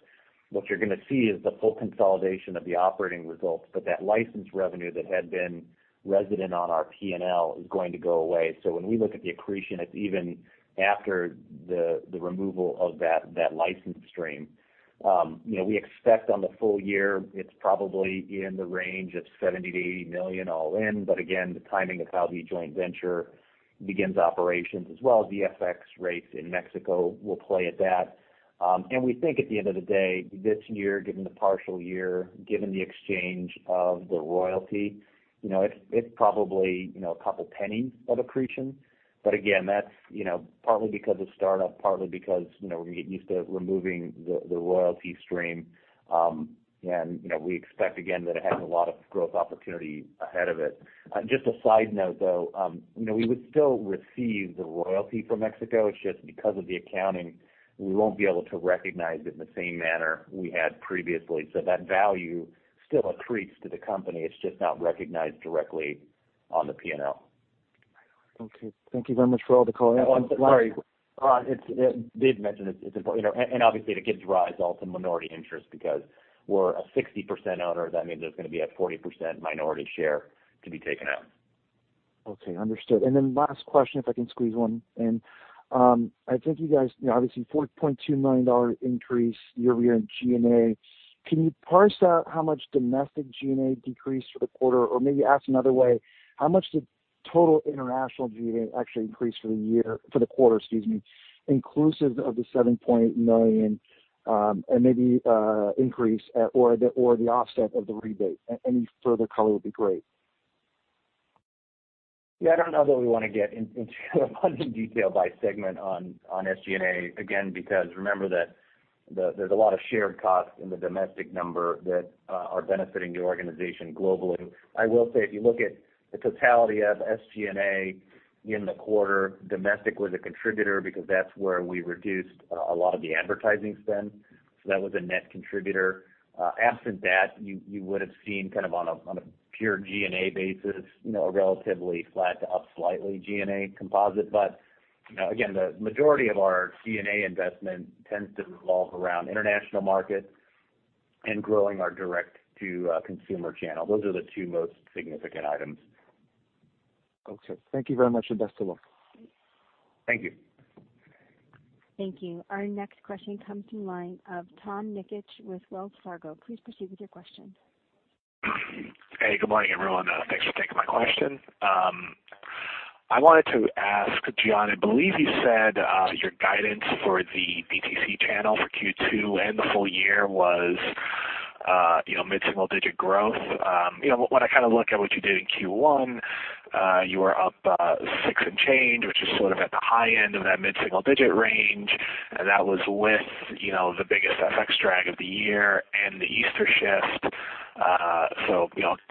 what you're going to see is the full consolidation of the operating results, but that license revenue that had been resident on our P&L is going to go away. When we look at the accretion, it's even after the removal of that license stream. We expect on the full year, it's probably in the range of $70 million-$80 million all in. Again, the timing of how the joint venture begins operations as well as the FX rates in Mexico will play at that. We think at the end of the day, this year, given the partial year, given the exchange of the royalty, it's probably a couple pennies of accretion. Again, that's partly because of startup, partly because we're getting used to removing the royalty stream. We expect again, that it has a lot of growth opportunity ahead of it. Just a side note, though, we would still receive the royalty from Mexico. It's just because of the accounting, we won't be able to recognize it in the same manner we had previously. That value still accretes to the company. It's just not recognized directly on the P&L. Okay. Thank you very much for all the color. I'm sorry. They'd mentioned it's important. Obviously it gives rise, also, minority interest because we're a 60% owner. That means there's going to be a 40% minority share to be taken out. Okay, understood. Last question, if I can squeeze one in. I think you guys, obviously $4.2 million increase year-over-year in G&A. Can you parse out how much domestic G&A decreased for the quarter? Maybe asked another way, how much did total international G&A actually increase for the quarter, inclusive of the $7.8 million, and maybe increase or the offset of the rebate? Any further color would be great. Yeah, I don't know that we want to get into a bunch of detail by segment on SG&A, again, because remember that there's a lot of shared costs in the domestic number that are benefiting the organization globally. I will say, if you look at the totality of SG&A in the quarter, domestic was a contributor because that's where we reduced a lot of the advertising spend. That was a net contributor. Absent that, you would've seen on a pure G&A basis, a relatively flat to up slightly G&A composite. Again, the majority of our G&A investment tends to revolve around international markets and growing our direct-to-consumer channel. Those are the two most significant items. Okay. Thank you very much, and best of luck. Thank you. Thank you. Our next question comes from the line of Tom Nikic with Wells Fargo. Please proceed with your question. Hey. Good morning, everyone. Thanks for taking my question. I wanted to ask John, I believe you said your guidance for the DTC channel for Q2 and the full year was mid-single digit growth. When I look at what you did in Q1, you were up six and change, which is sort of at the high end of that mid-single digit range. That was with the biggest FX drag of the year and the Easter shift.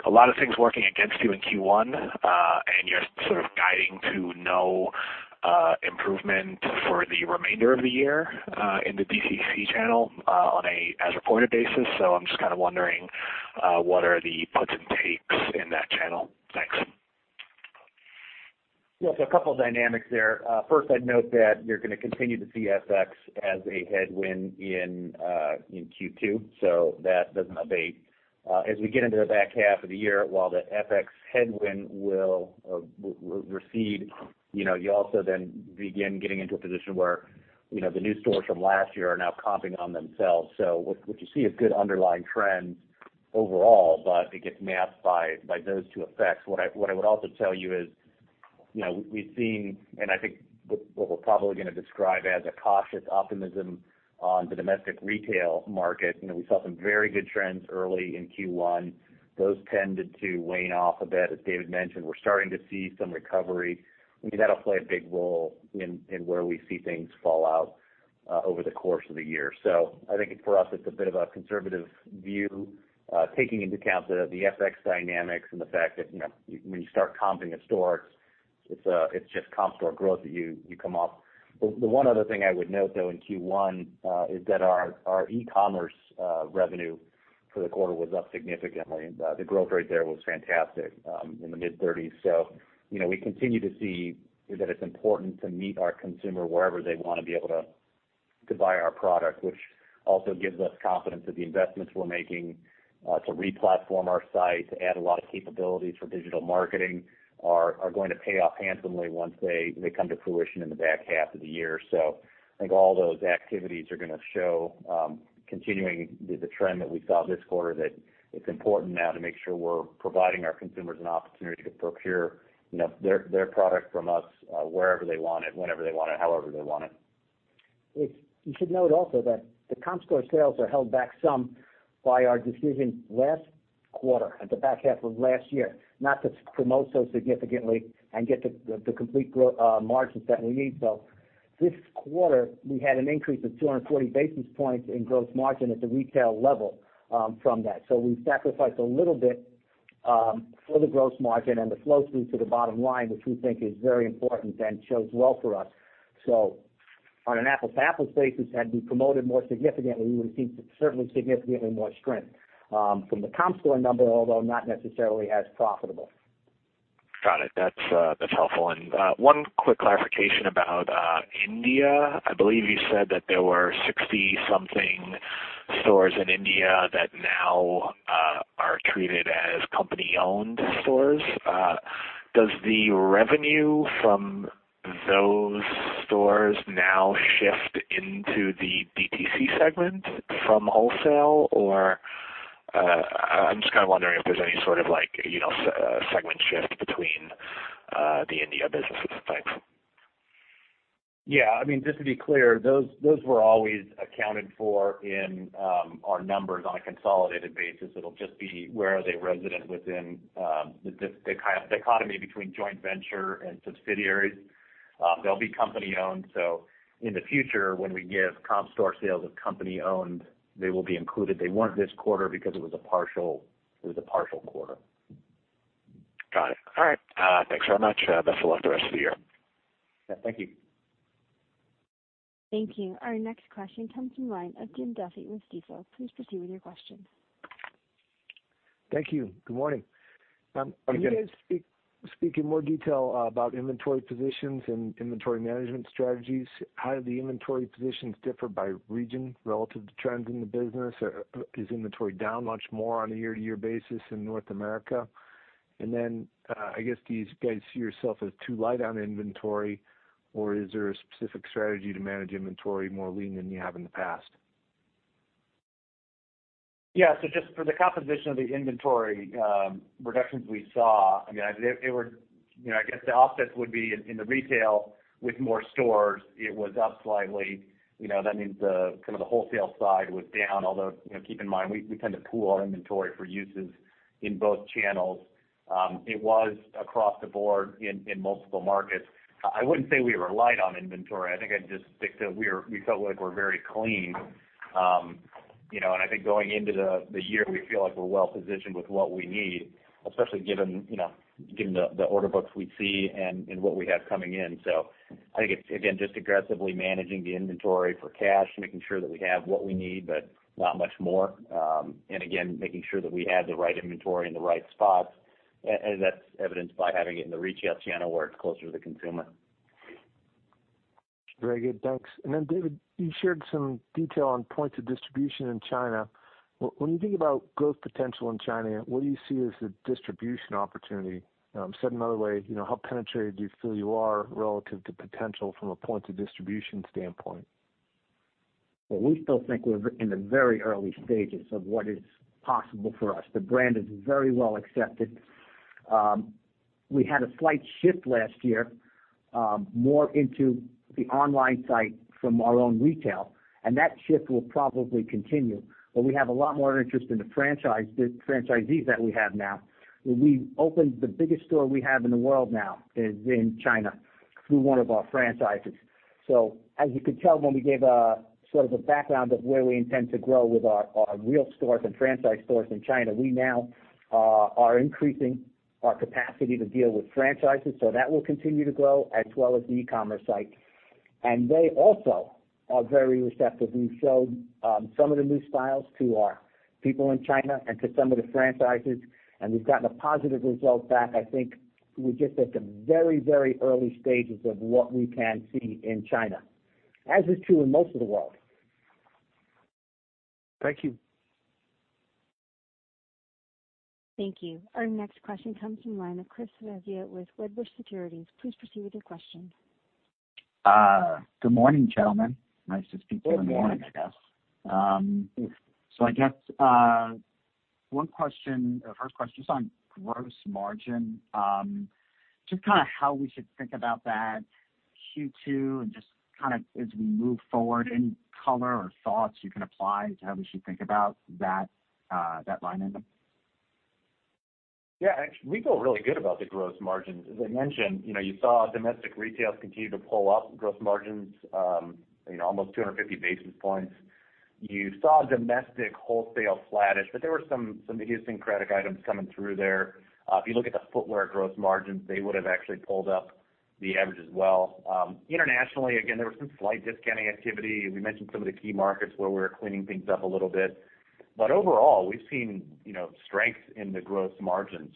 A lot of things working against you in Q1, and you're sort of guiding to no improvement for the remainder of the year in the DTC channel on an as reported basis. I'm just kind of wondering, what are the puts and takes in that channel? Thanks. A couple of dynamics there. First, I'd note that you're going to continue to see FX as a headwind in Q2, so that doesn't abate. As we get into the back half of the year, while the FX headwind will recede, you also then begin getting into a position where the new stores from last year are now comping on themselves. What you see is good underlying trends overall, but it gets masked by those two effects. What I would also tell you is, we've seen, and I think what we're probably going to describe as a cautious optimism on the domestic retail market. We saw some very good trends early in Q1. Those tended to wane off a bit. As David mentioned, we're starting to see some recovery. I think that'll play a big role in where we see things fall out over the course of the year. I think for us, it's a bit of a conservative view, taking into account the FX dynamics and the fact that when you start comping a store, it's just comp store growth that you come off. The one other thing I would note, though, in Q1, is that our e-commerce revenue for the quarter was up significantly. The growth rate there was fantastic, in the mid-30s. We continue to see that it's important to meet our consumer wherever they want to be able to buy our product, which also gives us confidence that the investments we're making to re-platform our site, to add a lot of capabilities for digital marketing, are going to pay off handsomely once they come to fruition in the back half of the year. I think all those activities are going to show continuing the trend that we saw this quarter, that it's important now to make sure we're providing our consumers an opportunity to procure their product from us wherever they want it, whenever they want it, however they want it. You should note also that the comp store sales are held back some by our decision last quarter at the back half of last year, not to promote so significantly and get the complete margins that we need. This quarter, we had an increase of 240 basis points in gross margin at the retail level from that. We sacrificed a little bit for the gross margin and the flow through to the bottom line, which we think is very important and shows well for us. On an apples-to-apples basis, had we promoted more significantly, we would have seen certainly significantly more strength from the comp store number, although not necessarily as profitable. Got it. That's helpful. One quick clarification about India. I believe you said that there were 60 something stores in India that now are treated as company-owned stores. Does the revenue from those stores now shift into the DTC segment from wholesale? I'm just kind of wondering if there's any sort of segment shift between the India businesses types. Yeah. Just to be clear, those were always accounted for in our numbers on a consolidated basis. It'll just be where are they resident within the dichotomy between joint venture and subsidiaries. They'll be company owned. In the future, when we give comp store sales of company owned, they will be included. They weren't this quarter because it was a partial quarter. Got it. All right. Thanks very much. Best of luck the rest of the year. Yeah, thank you. Thank you. Our next question comes from the line of Jim Duffy with Stifel. Please proceed with your question. Thank you. Good morning. Good morning. Can you guys speak in more detail about inventory positions and inventory management strategies? How do the inventory positions differ by region relative to trends in the business? Is inventory down much more on a year-over-year basis in North America? I guess, do you guys see yourself as too light on inventory, or is there a specific strategy to manage inventory more lean than you have in the past? Yeah. Just for the composition of the inventory reductions we saw, I guess the offsets would be in the retail with more stores. It was up slightly. That means the wholesale side was down, although, keep in mind, we tend to pool our inventory for uses in both channels. It was across the board in multiple markets. I wouldn't say we were light on inventory. I think I'd just stick to we felt like we're very clean. I think going into the year, we feel like we're well positioned with what we need, especially given the order books we see and what we have coming in. I think it's, again, just aggressively managing the inventory for cash, making sure that we have what we need, but not much more. Again, making sure that we have the right inventory in the right spots, as that's evidenced by having it in the retail channel where it's closer to the consumer. Very good. Thanks. David, you shared some detail on points of distribution in China. When you think about growth potential in China, what do you see as the distribution opportunity? Said another way, how penetrated do you feel you are relative to potential from a point of distribution standpoint? Well, we still think we're in the very early stages of what is possible for us. The brand is very well accepted. We had a slight shift last year, more into the online site from our own retail, that shift will probably continue. We have a lot more interest in the franchisees that we have now. We opened the biggest store we have in the world now in China through one of our franchises. As you could tell when we gave a sort of a background of where we intend to grow with our real stores and franchise stores in China, we now are increasing our capacity to deal with franchises. That will continue to grow as well as the e-commerce site. They also are very receptive. We've shown some of the new styles to our people in China and to some of the franchises, we've gotten a positive result back. I think we're just at the very early stages of what we can see in China, as is true in most of the world. Thank you. Thank you. Our next question comes from the line of Chris Svezia with Wedbush Securities. Please proceed with your question. Good morning, gentlemen. Nice to speak to you in the morning, I guess. Good morning. I guess one question, first question is on gross margin. Just kind of how we should think about that Q2 and just kind of as we move forward, any color or thoughts you can apply to how we should think about that line item? Actually, we feel really good about the gross margins. As I mentioned, you saw domestic retail continue to pull up gross margins, almost 250 basis points. You saw domestic wholesale flattish, but there were some idiosyncratic items coming through there. If you look at the footwear gross margins, they would have actually pulled up the average as well. Internationally, again, there was some slight discounting activity. We mentioned some of the key markets where we're cleaning things up a little bit. Overall, we've seen strength in the gross margin.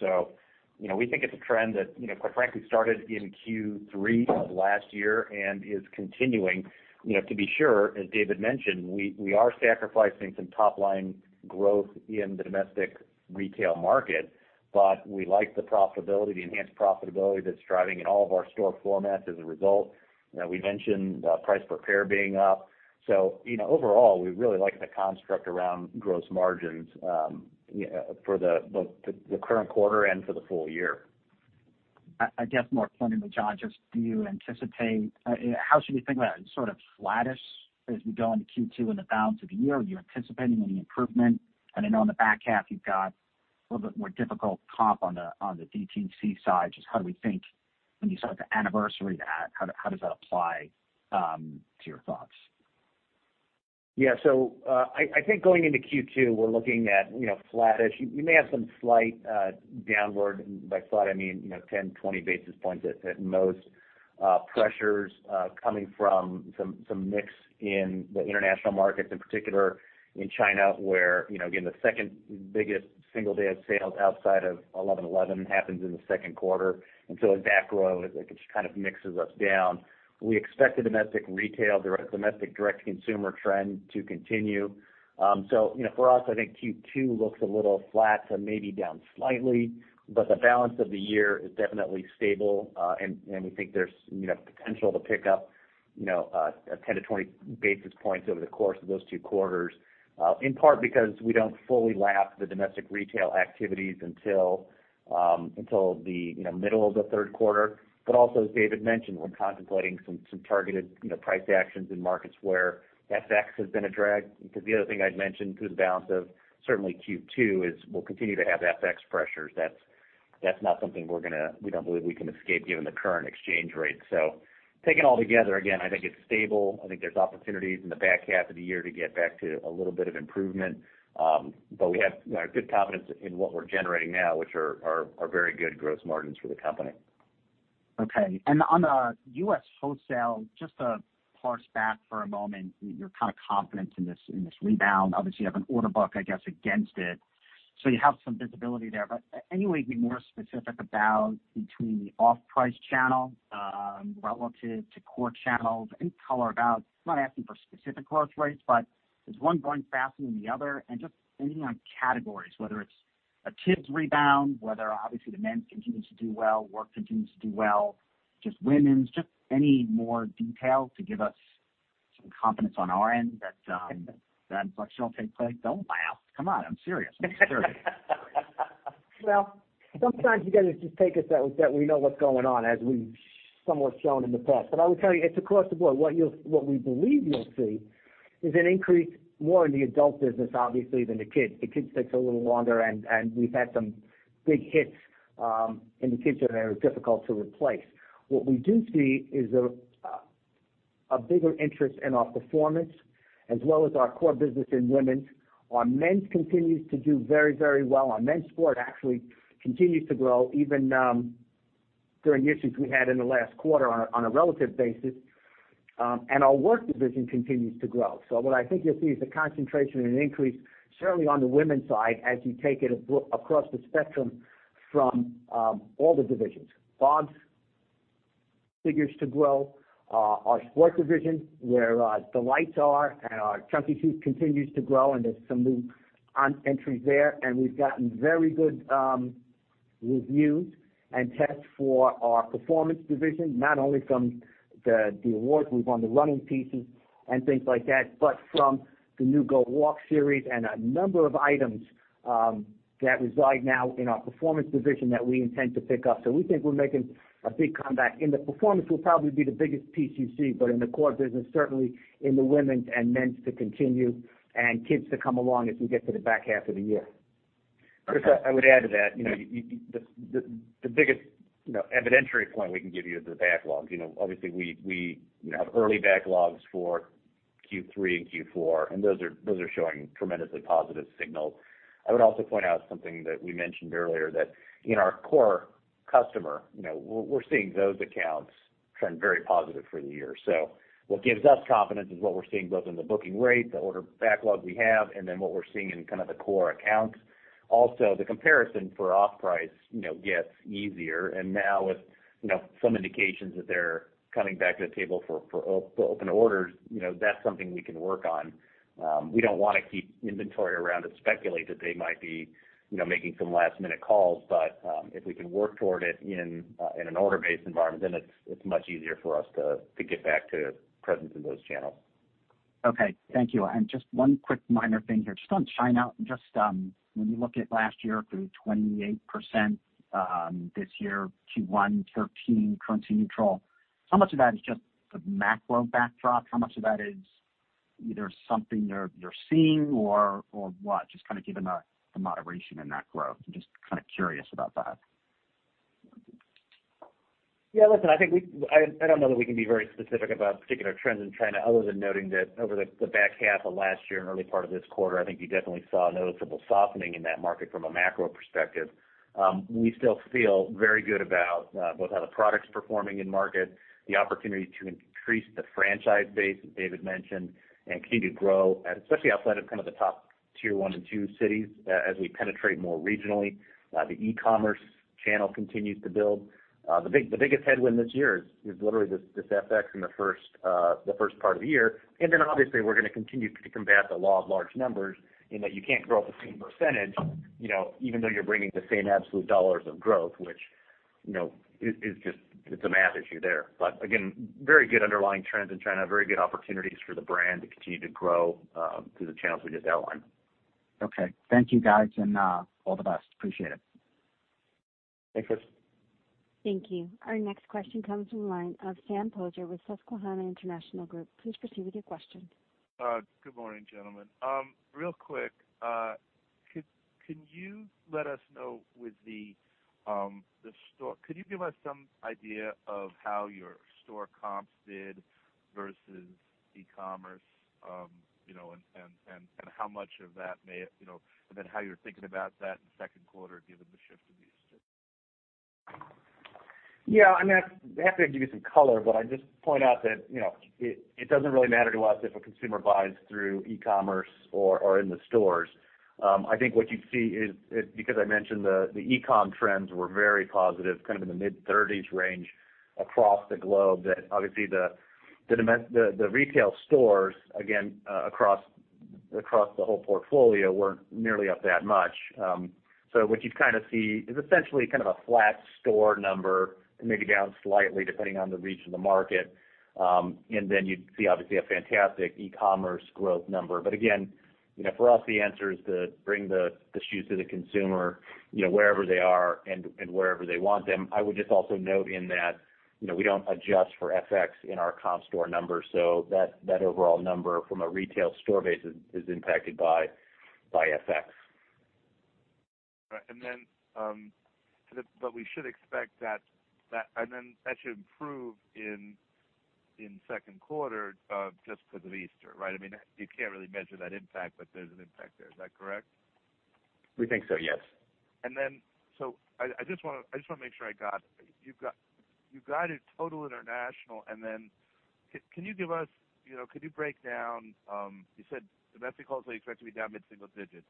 We think it's a trend that, quite frankly, started in Q3 of last year and is continuing. To be sure, as David mentioned, we are sacrificing some top-line growth in the domestic retail market, but we like the profitability, the enhanced profitability that's driving in all of our store formats as a result. We mentioned price per pair being up. Overall, we really like the construct around gross margins for both the current quarter and for the full year. I guess more pointedly, John, just how should we think about it? Sort of flattish as we go into Q2 and the balance of the year? Are you anticipating any improvement? I know in the back half, you've got a little bit more difficult comp on the DTC side. Just how do we think when you saw the anniversary ad, how does that apply to your thoughts? I think going into Q2, we're looking at flattish. You may have some slight downward, and by slight, I mean, 10, 20 basis points at most, pressures coming from some mix in the international markets, in particular in China, where, again, the second biggest single day of sales outside of 11-11 happens in the second quarter. As that grows, it just kind of mixes us down. We expect the domestic retail, domestic direct-to-consumer trend to continue. For us, I think Q2 looks a little flat to maybe down slightly, but the balance of the year is definitely stable. We think there's potential to pick up 10 - 20 basis points over the course of those two quarters, in part because we don't fully lap the domestic retail activities until the middle of the third quarter. As David mentioned, we're contemplating some targeted price actions in markets where FX has been a drag. The other thing I'd mention through the balance of certainly Q2 is we'll continue to have FX pressures. That's not something we don't believe we can escape given the current exchange rate. Taken all together, again, I think it's stable. I think there's opportunities in the back half of the year to get back to a little bit of improvement. We have good confidence in what we're generating now, which are very good gross margins for the company. Okay. On the U.S. wholesale, just to parse back for a moment, you're kind of confident in this rebound. Obviously, you have an order book, I guess, against it. You have some visibility there, any way you can be more specific about between the off-price channel relative to core channels? Any color about, I'm not asking for specific growth rates, but is one growing faster than the other? Just depending on categories, whether it's a kids rebound, whether obviously the men's continues to do well, work continues to do well, just women's. Just any more detail to give us some confidence on our end that inflection will take place. Don't laugh. Come on, I'm serious. Well, sometimes you guys just take it that we know what's going on as we've somewhat shown in the past. I will tell you, it's across the board. What we believe you'll see is an increase more in the adult business, obviously, than the kids. The kids takes a little longer, we've had some big hits in the kids area that are difficult to replace. What we do see is a bigger interest in our performance as well as our core business in women's. Our men's continues to do very well. Our men's sport actually continues to grow, even during issues we had in the last quarter on a relative basis. Our work division continues to grow. What I think you'll see is the concentration and an increase, certainly on the women's side, as you take it across the spectrum from all the divisions. BOBS continues to grow. Our sports division, Skechers D'Lites, and our chunky shoes continues to grow, and there's some new entries there. We've gotten very good reviews and tests for our performance division, not only from the awards we've won, the running pieces and things like that, but from the new GO WALK series and a number of items that reside now in our performance division that we intend to pick up. We think we're making a big comeback. In the performance will probably be the biggest piece you see, in the core business, certainly in the women's and men's to continue and kids to come along as we get to the back half of the year. Chris, I would add to that. The biggest evidentiary point we can give you is the backlogs. Obviously, we have early backlogs for Q3 and Q4, and those are showing tremendously positive signals. I would also point out something that we mentioned earlier, that in our core customer, we're seeing those accounts trend very positive for the year. What gives us confidence is what we're seeing both in the booking rates, the order backlog we have, and then what we're seeing in kind of the core accounts. Also, the comparison for off-price gets easier. Now with some indications that they're coming back to the table for open orders, that's something we can work on. We don't want to keep inventory around and speculate that they might be making some last minute calls. If we can work toward it in an order-based environment, then it's much easier for us to get back to presence in those channels. Okay. Thank you. Just one quick minor thing here. Just on China, when you look at last year through 28%, this year Q1, 13% currency neutral, how much of that is just the macro backdrop? How much of that is either something you're seeing or what? Just kind of given the moderation in that growth. I'm just kind of curious about that. Yeah, listen, I don't know that we can be very specific about particular trends in China other than noting that over the back half of last year and early part of this quarter, I think you definitely saw a noticeable softening in that market from a macro perspective. We still feel very good about both how the product's performing in market, the opportunity to increase the franchise base, as David mentioned, and continue to grow, and especially outside of kind of the top tier 1 and 2 cities, as we penetrate more regionally. The e-commerce channel continues to build. The biggest headwind this year is literally this FX in the first part of the year. Obviously we're going to continue to combat the law of large numbers in that you can't grow at the same percentage, even though you're bringing the same absolute dollars of growth, which, it's a math issue there. Again, very good underlying trends in China. Very good opportunities for the brand to continue to grow, through the channels we just outlined. Okay. Thank you guys, all the best. Appreciate it. Thanks, Chris. Thank you. Our next question comes from the line of Sam Poser with Susquehanna International Group. Please proceed with your question. Good morning, gentlemen. Real quick, can you give us some idea of how your store comps did versus e-commerce? How you're thinking about that in the second quarter given the shift of Easter? I mean, I have to give you some color, but I'd just point out that it doesn't really matter to us if a consumer buys through e-commerce or in the stores. I think what you'd see is, because I mentioned the e-com trends were very positive, kind of in the mid-30s range across the globe, that obviously the retail stores, again, across the whole portfolio, weren't nearly up that much. What you'd kind of see is essentially kind of a flat store number, maybe down slightly depending on the reach of the market. You'd see, obviously, a fantastic e-commerce growth number. Again, for us the answer is to bring the shoes to the consumer wherever they are and wherever they want them. I would just also note in that, we don't adjust for FX in our comp store numbers. That overall number from a retail store base is impacted by FX. Right. We should expect that should improve in Q2 just because of Easter, right? I mean, you can't really measure that impact, but there's an impact there. Is that correct? We think so, yes. I just want to make sure I got it. You guided total international, can you break down-- you said domestic wholesale, you expect to be down mid-single digits.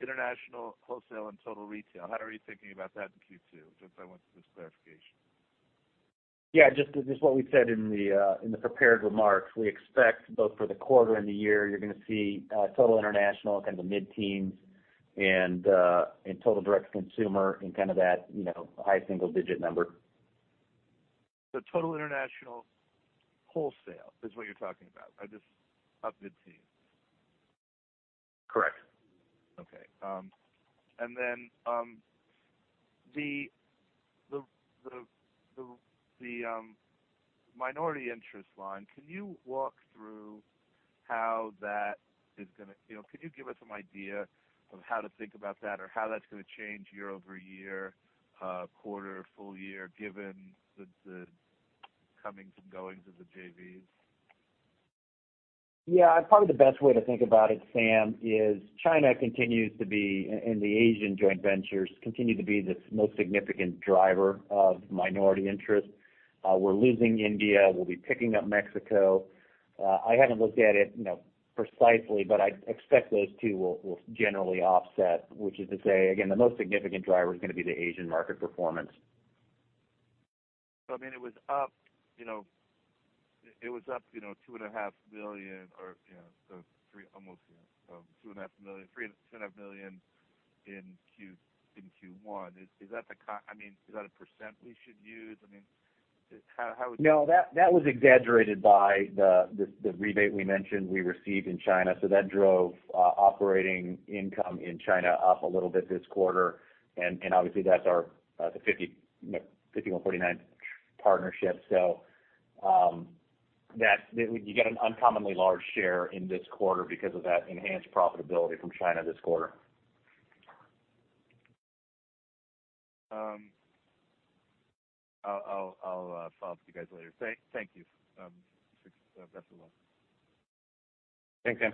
International wholesale and total retail, how are you thinking about that in Q2? Just I want some clarification. Just what we said in the prepared remarks. We expect both for the quarter and the year, you're going to see total international kind of mid-teens and total direct-to-consumer in kind of that high single digit number. Total international wholesale is what you're talking about. Just up mid-teens. Correct. Then, the minority interest line, can you give us some idea of how to think about that or how that's going to change year-over-year, quarter, full year, given the comings and goings of the JVs? Yeah. Probably the best way to think about it, Sam, is China and the Asian joint ventures continue to be the most significant driver of minority interest. We're losing India. We'll be picking up Mexico. I haven't looked at it precisely, but I expect those two will generally offset, which is to say, again, the most significant driver is going to be the Asian market performance. It was up almost $2.5 million, $3.5 million in Q1. Is that a % we should use? How would you- No, that was exaggerated by the rebate we mentioned we received in China. That drove operating income in China up a little bit this quarter, and obviously that's our 51/49 partnership. You get an uncommonly large share in this quarter because of that enhanced profitability from China this quarter. I'll follow up with you guys later. Thank you. Best of luck. Thanks, Sam.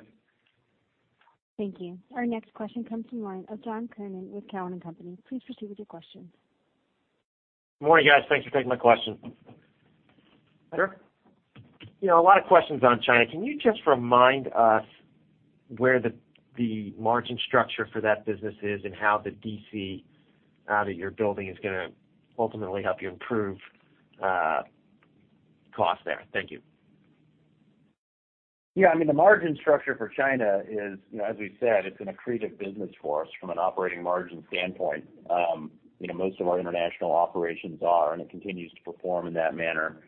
Thank you. Our next question comes from the line of John Kernan with Cowen and Company. Please proceed with your question. Good morning, guys. Thanks for taking my question. Sure. A lot of questions on China. Can you just remind us where the margin structure for that business is, and how the DC out of your building is going to ultimately help you improve cost there? Thank you. Yeah. The margin structure for China is, as we said, it's an accretive business for us from an operating margin standpoint. Most of our international operations are, and it continues to perform in that manner.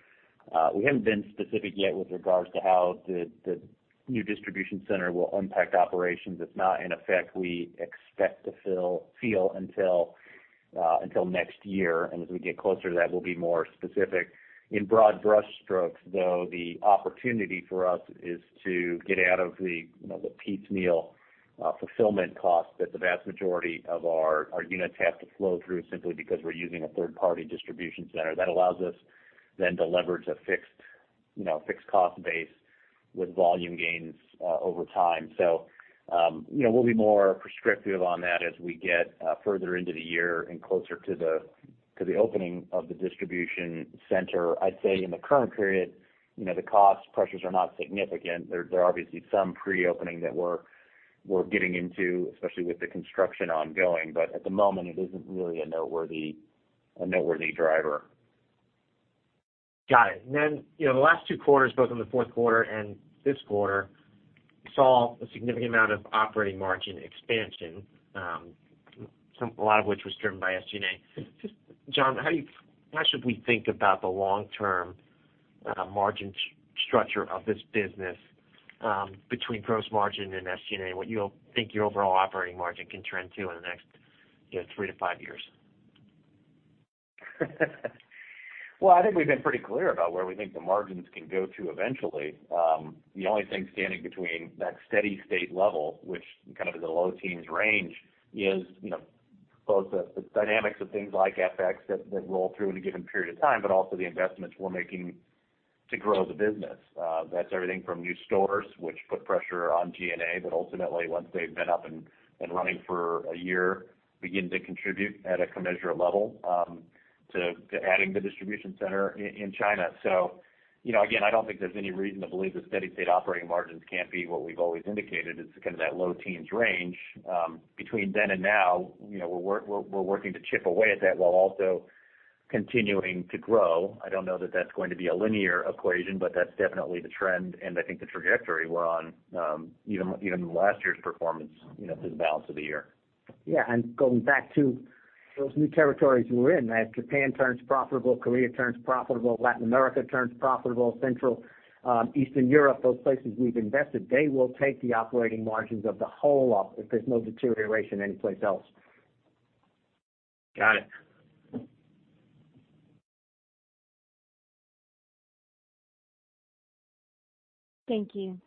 We haven't been specific yet with regards to how the new distribution center will impact operations. It's not in effect. We expect to feel until next year, and as we get closer to that, we'll be more specific. In broad brush strokes, though, the opportunity for us is to get out of the piecemeal fulfillment cost that the vast majority of our units have to flow through simply because we're using a third-party distribution center. That allows us then to leverage a fixed cost base with volume gains over time. We'll be more prescriptive on that as we get further into the year and closer to the opening of the distribution center. I'd say in the current period, the cost pressures are not significant. There are obviously some pre-opening that we're getting into, especially with the construction ongoing. At the moment, it isn't really a noteworthy driver. Got it. The last two quarters, both in Q4 and this quarter, saw a significant amount of operating margin expansion, a lot of which was driven by SG&A. John, how should we think about the long-term margin structure of this business between gross margin and SG&A? What you think your overall operating margin can trend to in the next three to five years? Well, I think we've been pretty clear about where we think the margins can go to eventually. The only thing standing between that steady state level, which is a low teens range, is both the dynamics of things like FX that roll through in a given period of time, but also the investments we're making to grow the business. That's everything from new stores, which put pressure on G&A, but ultimately once they've been up and running for a year, begin to contribute at a commensurate level to adding the distribution center in China. Again, I don't think there's any reason to believe the steady state operating margins can't be what we've always indicated. It's that low teens range. Between then and now, we're working to chip away at that while also continuing to grow. I don't know that that's going to be a linear equation, but that's definitely the trend, and I think the trajectory we're on, even in last year's performance, through the balance of the year. Yeah, going back to those new territories we're in. As Japan turns profitable, Korea turns profitable, Latin America turns profitable, Central, Eastern Europe, those places we've invested, they will take the operating margins of the whole up if there's no deterioration anyplace else. Got it. Thank you.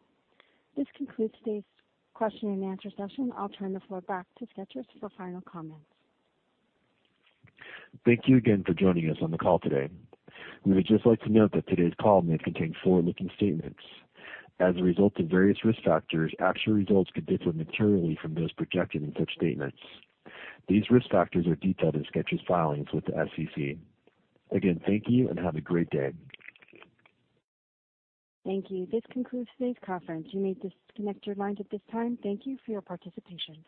This concludes today's question-and-answer session. I'll turn the floor back to Skechers for final comments. Thank you again for joining us on the call today. We would just like to note that today's call may contain forward-looking statements. As a result of various risk factors, actual results could differ materially from those projected in such statements. These risk factors are detailed in Skechers' filings with the SEC. Again, thank you, have a great day. Thank you. This concludes today's conference. You may disconnect your lines at this time. Thank you for your participation.